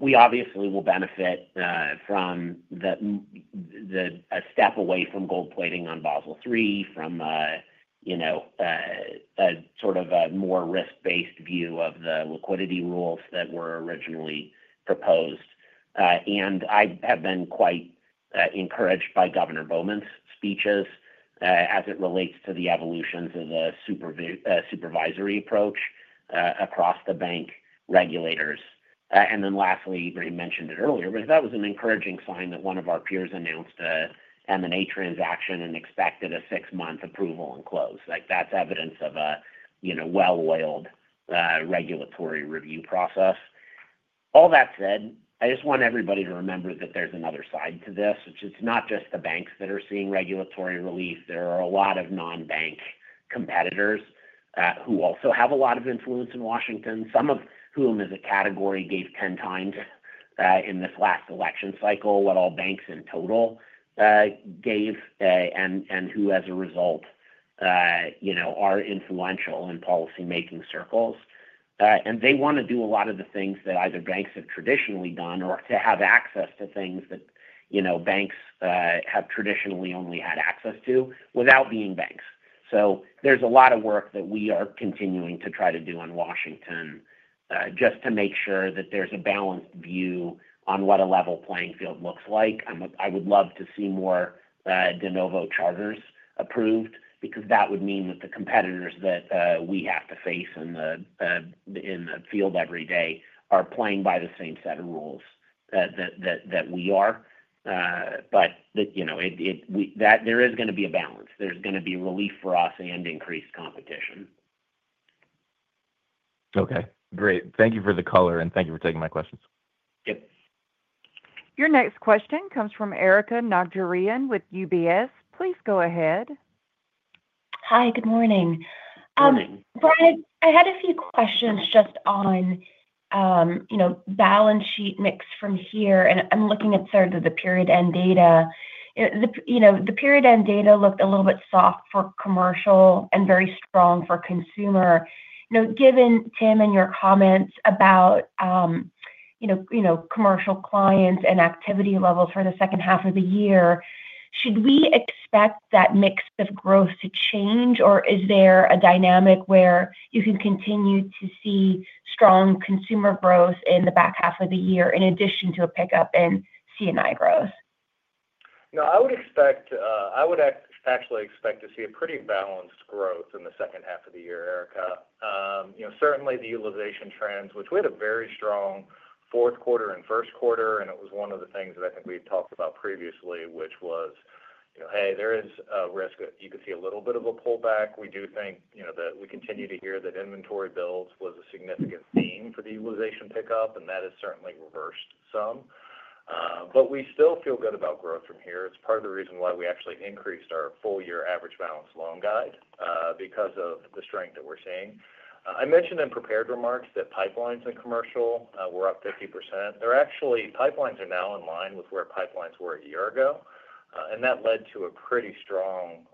We obviously will benefit from the step away from gold plating on Basel III, from a sort of a more risk-based view of the liquidity rules that were originally proposed. And I have been quite encouraged by Governor Bowman's speeches as it relates to the evolutions of the supervisory approach across the bank regulators. And then lastly, I mentioned it earlier, but that was an encouraging sign that one of our peers announced an M&A transaction and expected a six-month approval and close. That's evidence of a well-oiled regulatory review process. All that said, I just want everybody to remember that there's another side to this. It's not just the banks that are seeing regulatory relief. There are a lot of non-bank competitors who also have a lot of influence in Washington, some of whom as a category gave 10x in this last election cycle what all banks in total gave and who, as a result, are influential in policymaking circles. And they want to do a lot of the things that either banks have traditionally done or to have access to things that banks have traditionally only had access to without being banks. So there's a lot of work that we are continuing to try to do in Washington. Just to make sure that there's a balanced view on what a level playing field looks like. I would love to see more de novo charters approved because that would mean that the competitors that we have to face in the field every day are playing by the same set of rules that we are. But there is going to be a balance. There's going to be relief for us and increased competition. Okay. Great. Thank you for the color, and thank you for taking my questions. Yep. Your next question comes from Erika Najarian with UBS. Please go ahead. Hi. Good morning. Good morning. Bryan, I had a few questions just on balance sheet mix from here. And I'm looking at sort of the period-end data. The period-end data looked a little bit soft for commercial and very strong for consumer. Given Tim and your comments about commercial clients and activity levels for the second half of the year, should we expect that mix of growth to change, or is there a dynamic where you can continue to see strong consumer growth in the back half of the year in addition to a pickup in C&I growth? No, I would actually expect to see a pretty balanced growth in the second half of the year, Erika. Certainly, the utilization trends, which we had a very strong fourth quarter and first quarter, and it was one of the things that I think we had talked about previously, which was "Hey, there is a risk that you could see a little bit of a pullback." We do think that we continue to hear that inventory builds was a significant theme for the utilization pickup, and that has certainly reversed some. But we still feel good about growth from here. It's part of the reason why we actually increased our full-year average balance loan guide because of the strength that we're seeing. I mentioned in prepared remarks that pipelines in commercial were up 50%. Actually, pipelines are now in line with where pipelines were a year ago. And that led to a pretty strong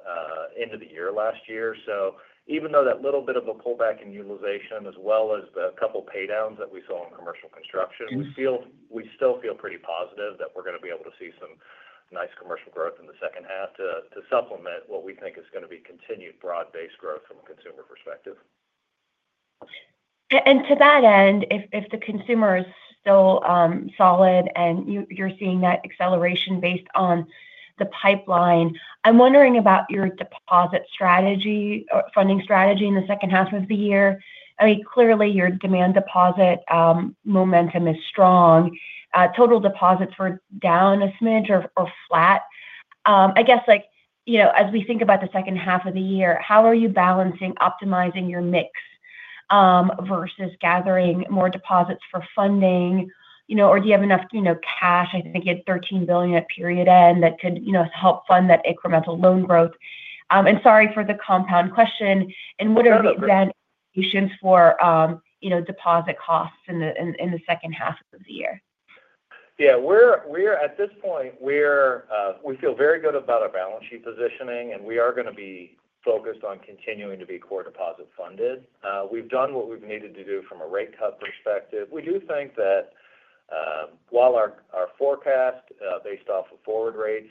end of the year last year. So even though that little bit of a pullback in utilization, as well as the couple of paydowns that we saw in commercial construction, we still feel pretty positive that we're going to be able to see some nice commercial growth in the second half to supplement what we think is going to be continued broad-based growth from a consumer perspective. And to that end, if the consumer is still solid and you're seeing that acceleration based on the pipeline, I'm wondering about your deposit strategy, funding strategy in the second half of the year. I mean, clearly, your demand deposit momentum is strong. Total deposits were down a smidge or flat. I guess as we think about the second half of the year, how are you balancing optimizing your mix versus gathering more deposits for funding, or do you have enough cash, I think, at $13 billion at period-end that could help fund that incremental loan growth? And sorry for the compound question. And what are the expectations for deposit costs in the second half of the year? Yeah. At this point, we feel very good about our balance sheet positioning, and we are going to be focused on continuing to be core deposit funded. We've done what we've needed to do from a rate cut perspective. We do think that while our forecast based off of forward rates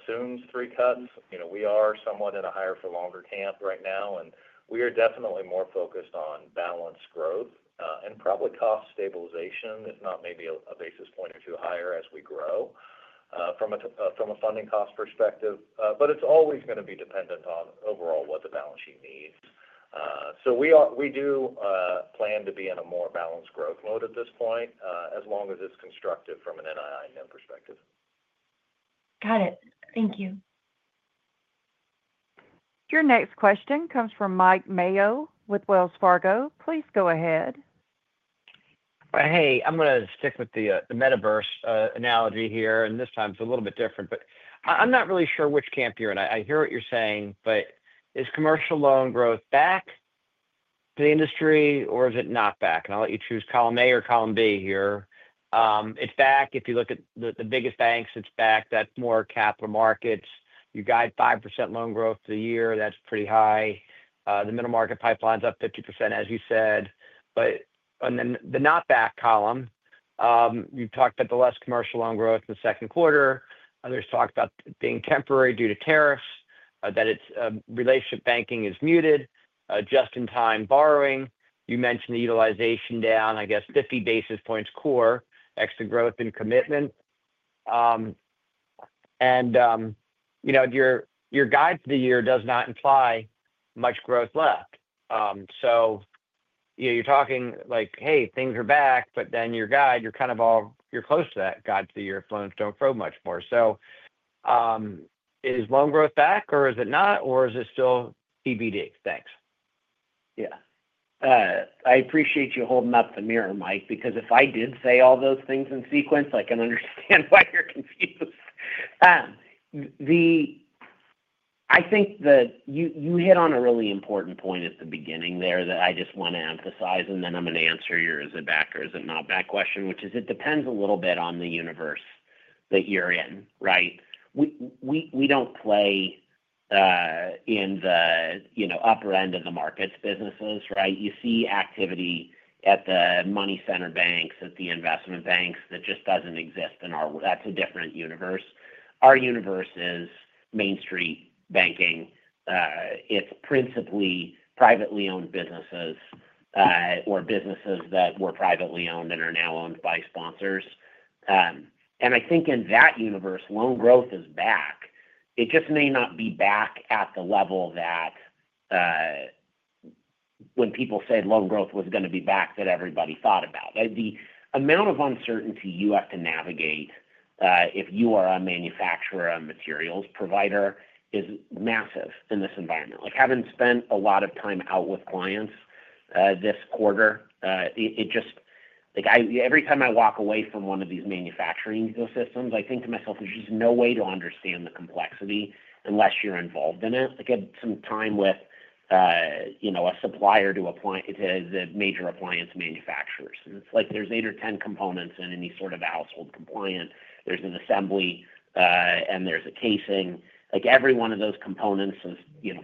assumes three cuts, we are somewhat in a higher-for-longer camp right now. And we are definitely more focused on balanced growth and probably cost stabilization, if not maybe a basis point or two higher as we grow from a funding cost perspective. But it's always going to be dependent on overall what the balance sheet needs. So we do plan to be in a more balanced growth mode at this point, as long as it's constructive from an NII perspective. Got it. Thank you. Your next question comes from Mike Mayo with Wells Fargo. Please go ahead. Hey, I'm going to stick with the metaverse analogy here. And this time, it's a little bit different. But I'm not really sure which camp you're in. I hear what you're saying, but is commercial loan growth back to the industry, or is it not back? And I'll let you choose column A or column B here. It's back. If you look at the biggest banks, it's back. That's more capital markets. You guide 5% loan growth to the year. That's pretty high. The middle market pipeline's up 50%, as you said. And then the not-back column. You talked about the less commercial loan growth in the second quarter. Others talked about it being temporary due to tariffs, that relationship banking is muted, just-in-time borrowing. You mentioned the utilization down, I guess, 50 basis points core, extra growth in commitment. And your guide to the year does not imply much growth left. So. You're talking like, "Hey, things are back," but then your guide, you're kind of already close to that guide to the year if loans don't grow much more. So. Is loan growth back, or is it not, or is it still TBD? Thanks. Yeah. I appreciate you holding up the mirror, Mike, because if I did say all those things in sequence, I can understand why you're confused. I think that you hit on a really important point at the beginning there that I just want to emphasize, and then I'm going to answer your is it back or is it not back question, which is it depends a little bit on the universe that you're in, right? We don't play in the upper end of the markets businesses, right? You see activity at the money center banks, at the investment banks. That just doesn't exist in ours, that's a different universe. Our universe is Main Street banking. It's principally privately-owned businesses or businesses that were privately owned and are now owned by sponsors. And I think in that universe, loan growth is back. It just may not be back at the level that, when people said loan growth was going to be back, that everybody thought about. The amount of uncertainty you have to navigate if you are a manufacturer or a materials provider is massive in this environment. Having spent a lot of time out with clients this quarter, it's just every time I walk away from one of these manufacturing ecosystems, I think to myself, there's just no way to understand the complexity unless you're involved in it. I got some time with a supplier to the major appliance manufacturers. And it's like there's eight or 10 components in any sort of household appliance. There's an assembly. And there's a casing. Every one of those components is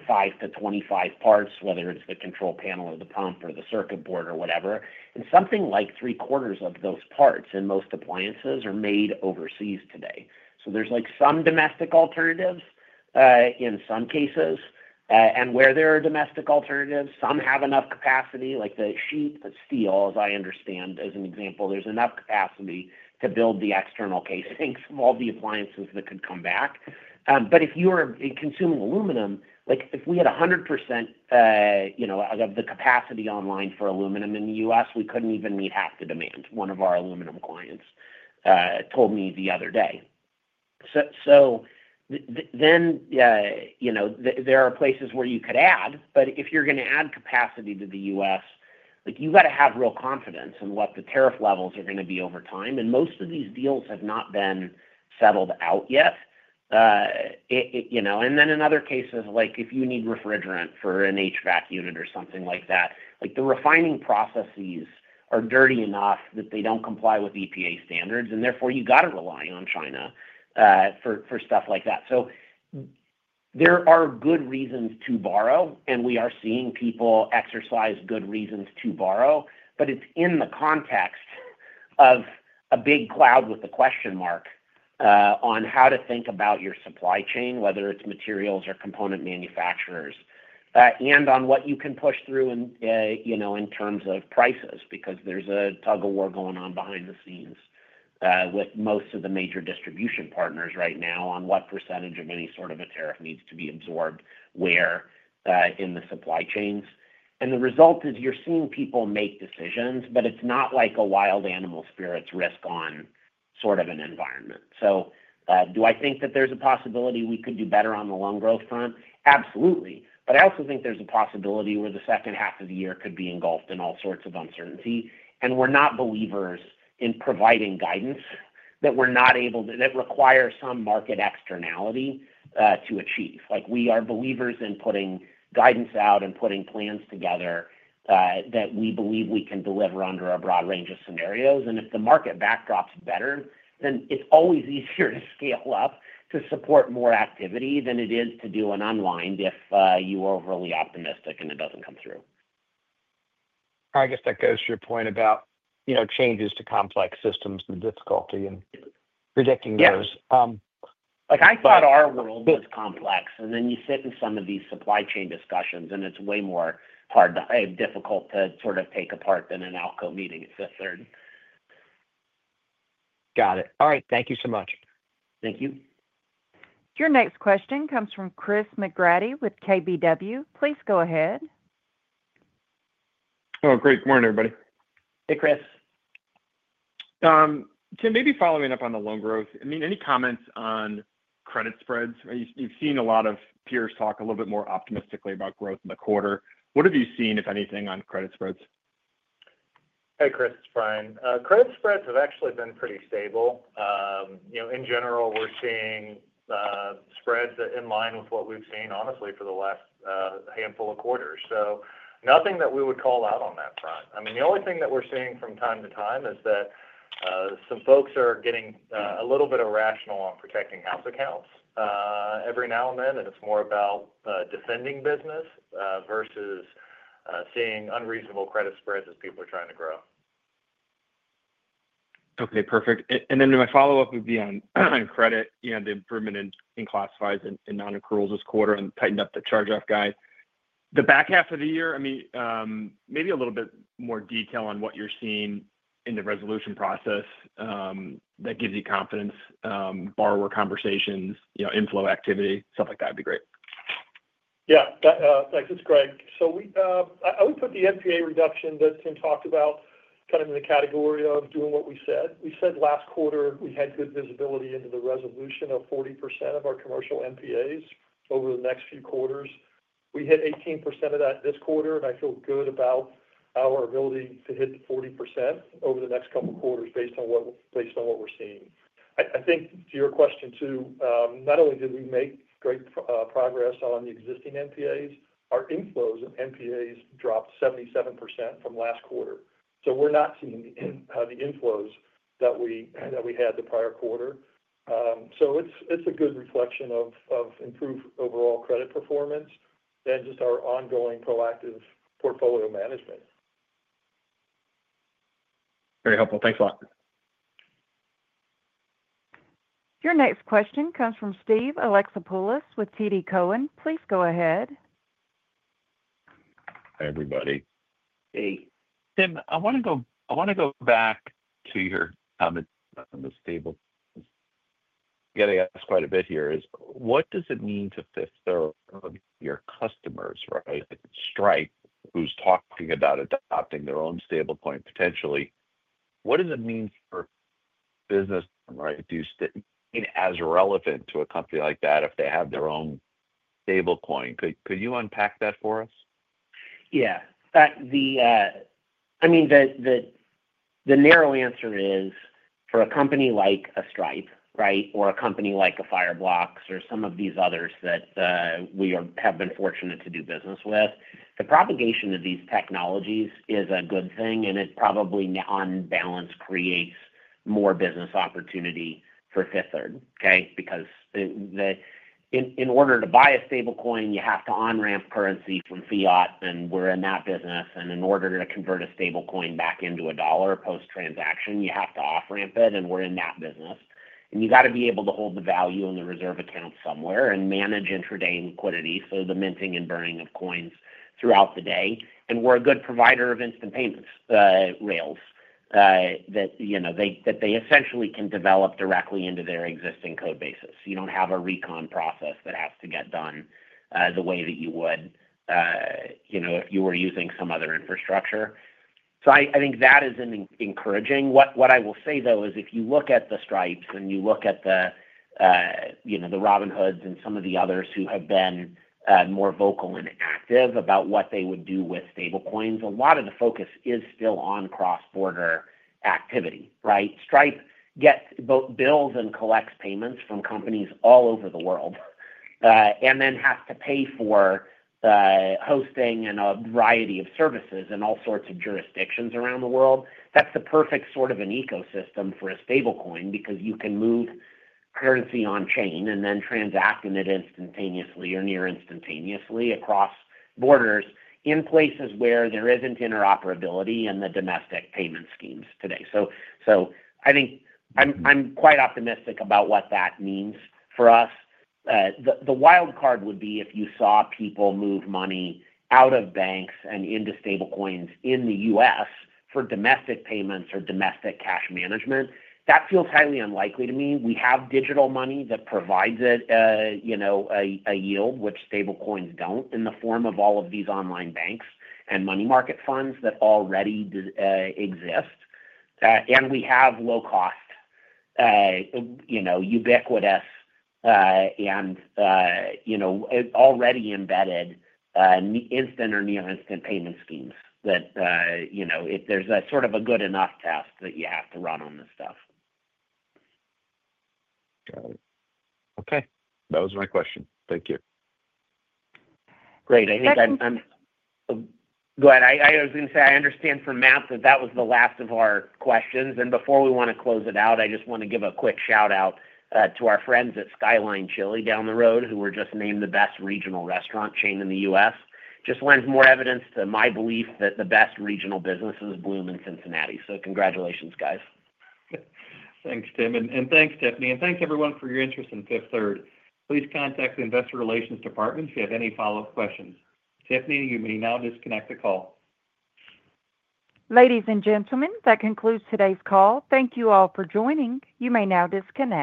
5 parts-25 parts, whether it's the control panel or the pump or the circuit board or whatever. And something like 3/4 of those parts in most appliances are made overseas today. So there's some domestic alternatives in some cases. And where there are domestic alternatives, some have enough capacity. The sheet of steel, as I understand, as an example, there's enough capacity to build the external casings of all the appliances that could come back. But if you were consuming aluminum, if we had 100% of the capacity online for aluminum in the U.S., we couldn't even meet half the demand. One of our aluminum clients told me the other day. So then there are places where you could add. But if you're going to add capacity to the U.S., you've got to have real confidence in what the tariff levels are going to be over time. And most of these deals have not been settled out yet. And then in other cases, if you need refrigerant for an HVAC unit or something like that, the refining processes are dirty enough that they don't comply with EPA standards. And therefore, you've got to rely on China for stuff like that. So there are good reasons to borrow. And we are seeing people exercise good reasons to borrow. But it's in the context of a big cloud with a question mark on how to think about your supply chain, whether it's materials or component manufacturers. And on what you can push through in terms of prices because there's a tug of war going on behind the scenes with most of the major distribution partners right now on what percentage of any sort of a tariff needs to be absorbed where in the supply chains. And the result is you're seeing people make decisions, but it's not like a wild, animal spirits, risk-on sort of an environment. So do I think that there's a possibility we could do better on the loan growth front? Absolutely. But I also think there's a possibility where the second half of the year could be engulfed in all sorts of uncertainty. And we're not believers in providing guidance that we're not able to that requires some market externality to achieve. We are believers in putting guidance out and putting plans together. That we believe we can deliver under a broad range of scenarios. And if the market backdrop's better, then it's always easier to scale up to support more activity than it is to do an unwind if you were overly optimistic and it doesn't come through. I guess that goes to your point about changes to complex systems and difficulty in predicting those. I thought our world was complex. And then you sit in some of these supply chain discussions, and it's way more difficult to sort of take apart than an ALCO meeting at Fifth Third. Got it. All right. Thank you so much. Thank you. Your next question comes from Chris McGratty with KBW. Please go ahead. Oh, great. Good morning, everybody. Hey, Chris. Tim, maybe following up on the loan growth. I mean, any comments on credit spreads? You've seen a lot of peers talk a little bit more optimistically about growth in the quarter. What have you seen, if anything, on credit spreads? Hey, Chris. It's Bryan. Credit spreads have actually been pretty stable. In general, we're seeing spreads that are in line with what we've seen, honestly, for the last handful of quarters. So nothing that we would call out on that front. I mean, the only thing that we're seeing from time to time is that some folks are getting a little bit irrational on protecting house accounts every now and then. And it's more about defending business versus seeing unreasonable credit spreads as people are trying to grow. Okay. Perfect. And then my follow-up would be on credit, the improvement in classifieds and non-accruals this quarter and tightened up the charge-off guide. The back half of the year, I mean, maybe a little bit more detail on what you're seeing in the resolution process. That gives you confidence. Borrower conversations, inflow activity, stuff like that would be great. Yeah. Thanks. It's Greg. So, I would put the NPA reduction that Tim talked about kind of in the category of doing what we said. We said last quarter, we had good visibility into the resolution of 40% of our commercial NPAs over the next few quarters. We hit 18% of that this quarter. And I feel good about our ability to hit the 40% over the next couple of quarters based on what we're seeing. I think to your question too, not only did we make great progress on the existing NPAs, our inflows in NPAs dropped 77% from last quarter. So we're not seeing the inflows that we had the prior quarter. So it's a good reflection of improved overall credit performance and just our ongoing proactive portfolio management. Very helpful. Thanks a lot. Your next question comes from Steve Alexopoulos with TD Cowen. Please go ahead. Hi, everybody. Hey. Tim, I want to go back to your comments on the stablecoin. You've got to ask quite a bit here. What does it mean for Fifth Third and your customers, right, Stripe, who's talking about adopting their own stablecoin potentially? What does it mean for business, right, as relevant to a company like that if they have their own stablecoin? Could you unpack that for us? Yeah. I mean. The narrow answer is for a company like Stripe, right, or a company like Fireblocks or some of these others that we have been fortunate to do business with, the propagation of these technologies is a good thing. And it probably on balance creates more business opportunity for Fifth Third, okay, because. In order to buy a stablecoin, you have to on-ramp currency from fiat, and we're in that business. And in order to convert a stablecoin back into a dollar post-transaction, you have to off-ramp it, and we're in that business. And you got to be able to hold the value in the reserve account somewhere and manage intraday liquidity, so the minting and burning of coins throughout the day. And we're a good provider of instant payment rails. That they essentially can develop directly into their existing code bases. You don't have a recon process that has to get done the way that you would. If you were using some other infrastructure. So I think that is encouraging. What I will say, though, is if you look at the Stripe and you look at the Robinhood and some of the others who have been more vocal and active about what they would do with stablecoins, a lot of the focus is still on cross-border activity, right? Stripe gets bills and collects payments from companies all over the world. And then has to pay for hosting and a variety of services in all sorts of jurisdictions around the world. That's the perfect sort of an ecosystem for a stablecoin because you can move currency on-chain and then transact in it instantaneously or near instantaneously across borders in places where there isn't interoperability in the domestic payment schemes today. So I think I'm quite optimistic about what that means for us. The wild card would be if you saw people move money out of banks and into stablecoins in the U.S. for domestic payments or domestic cash management. That feels highly unlikely to me. We have digital money that provides it a yield, which stablecoins don't, in the form of all of these online banks and money market funds that already exist. And we have low-cost, ubiquitous, and already embedded instant or near-instant payment schemes that if there's a sort of a good enough test that you have to run on this stuff. Got it. Okay. That was my question. Thank you. Great. I think I'm. Go ahead. I was going to say I understand from Matt that that was the last of our questions, and before we want to close it out, I just want to give a quick shout-out to our friends at Skyline Chili down the road who were just named the best regional restaurant chain in the U.S. Just lends more evidence to my belief that the best regional businesses bloom in Cincinnati, so congratulations, guys. Thanks, Tim, and thanks, Tiffany, and thanks, everyone, for your interest in Fifth Third. Please contact the investor relations department if you have any follow-up questions. Tiffany, you may now disconnect the call. Ladies and gentlemen, that concludes today's call. Thank you all for joining. You may now disconnect.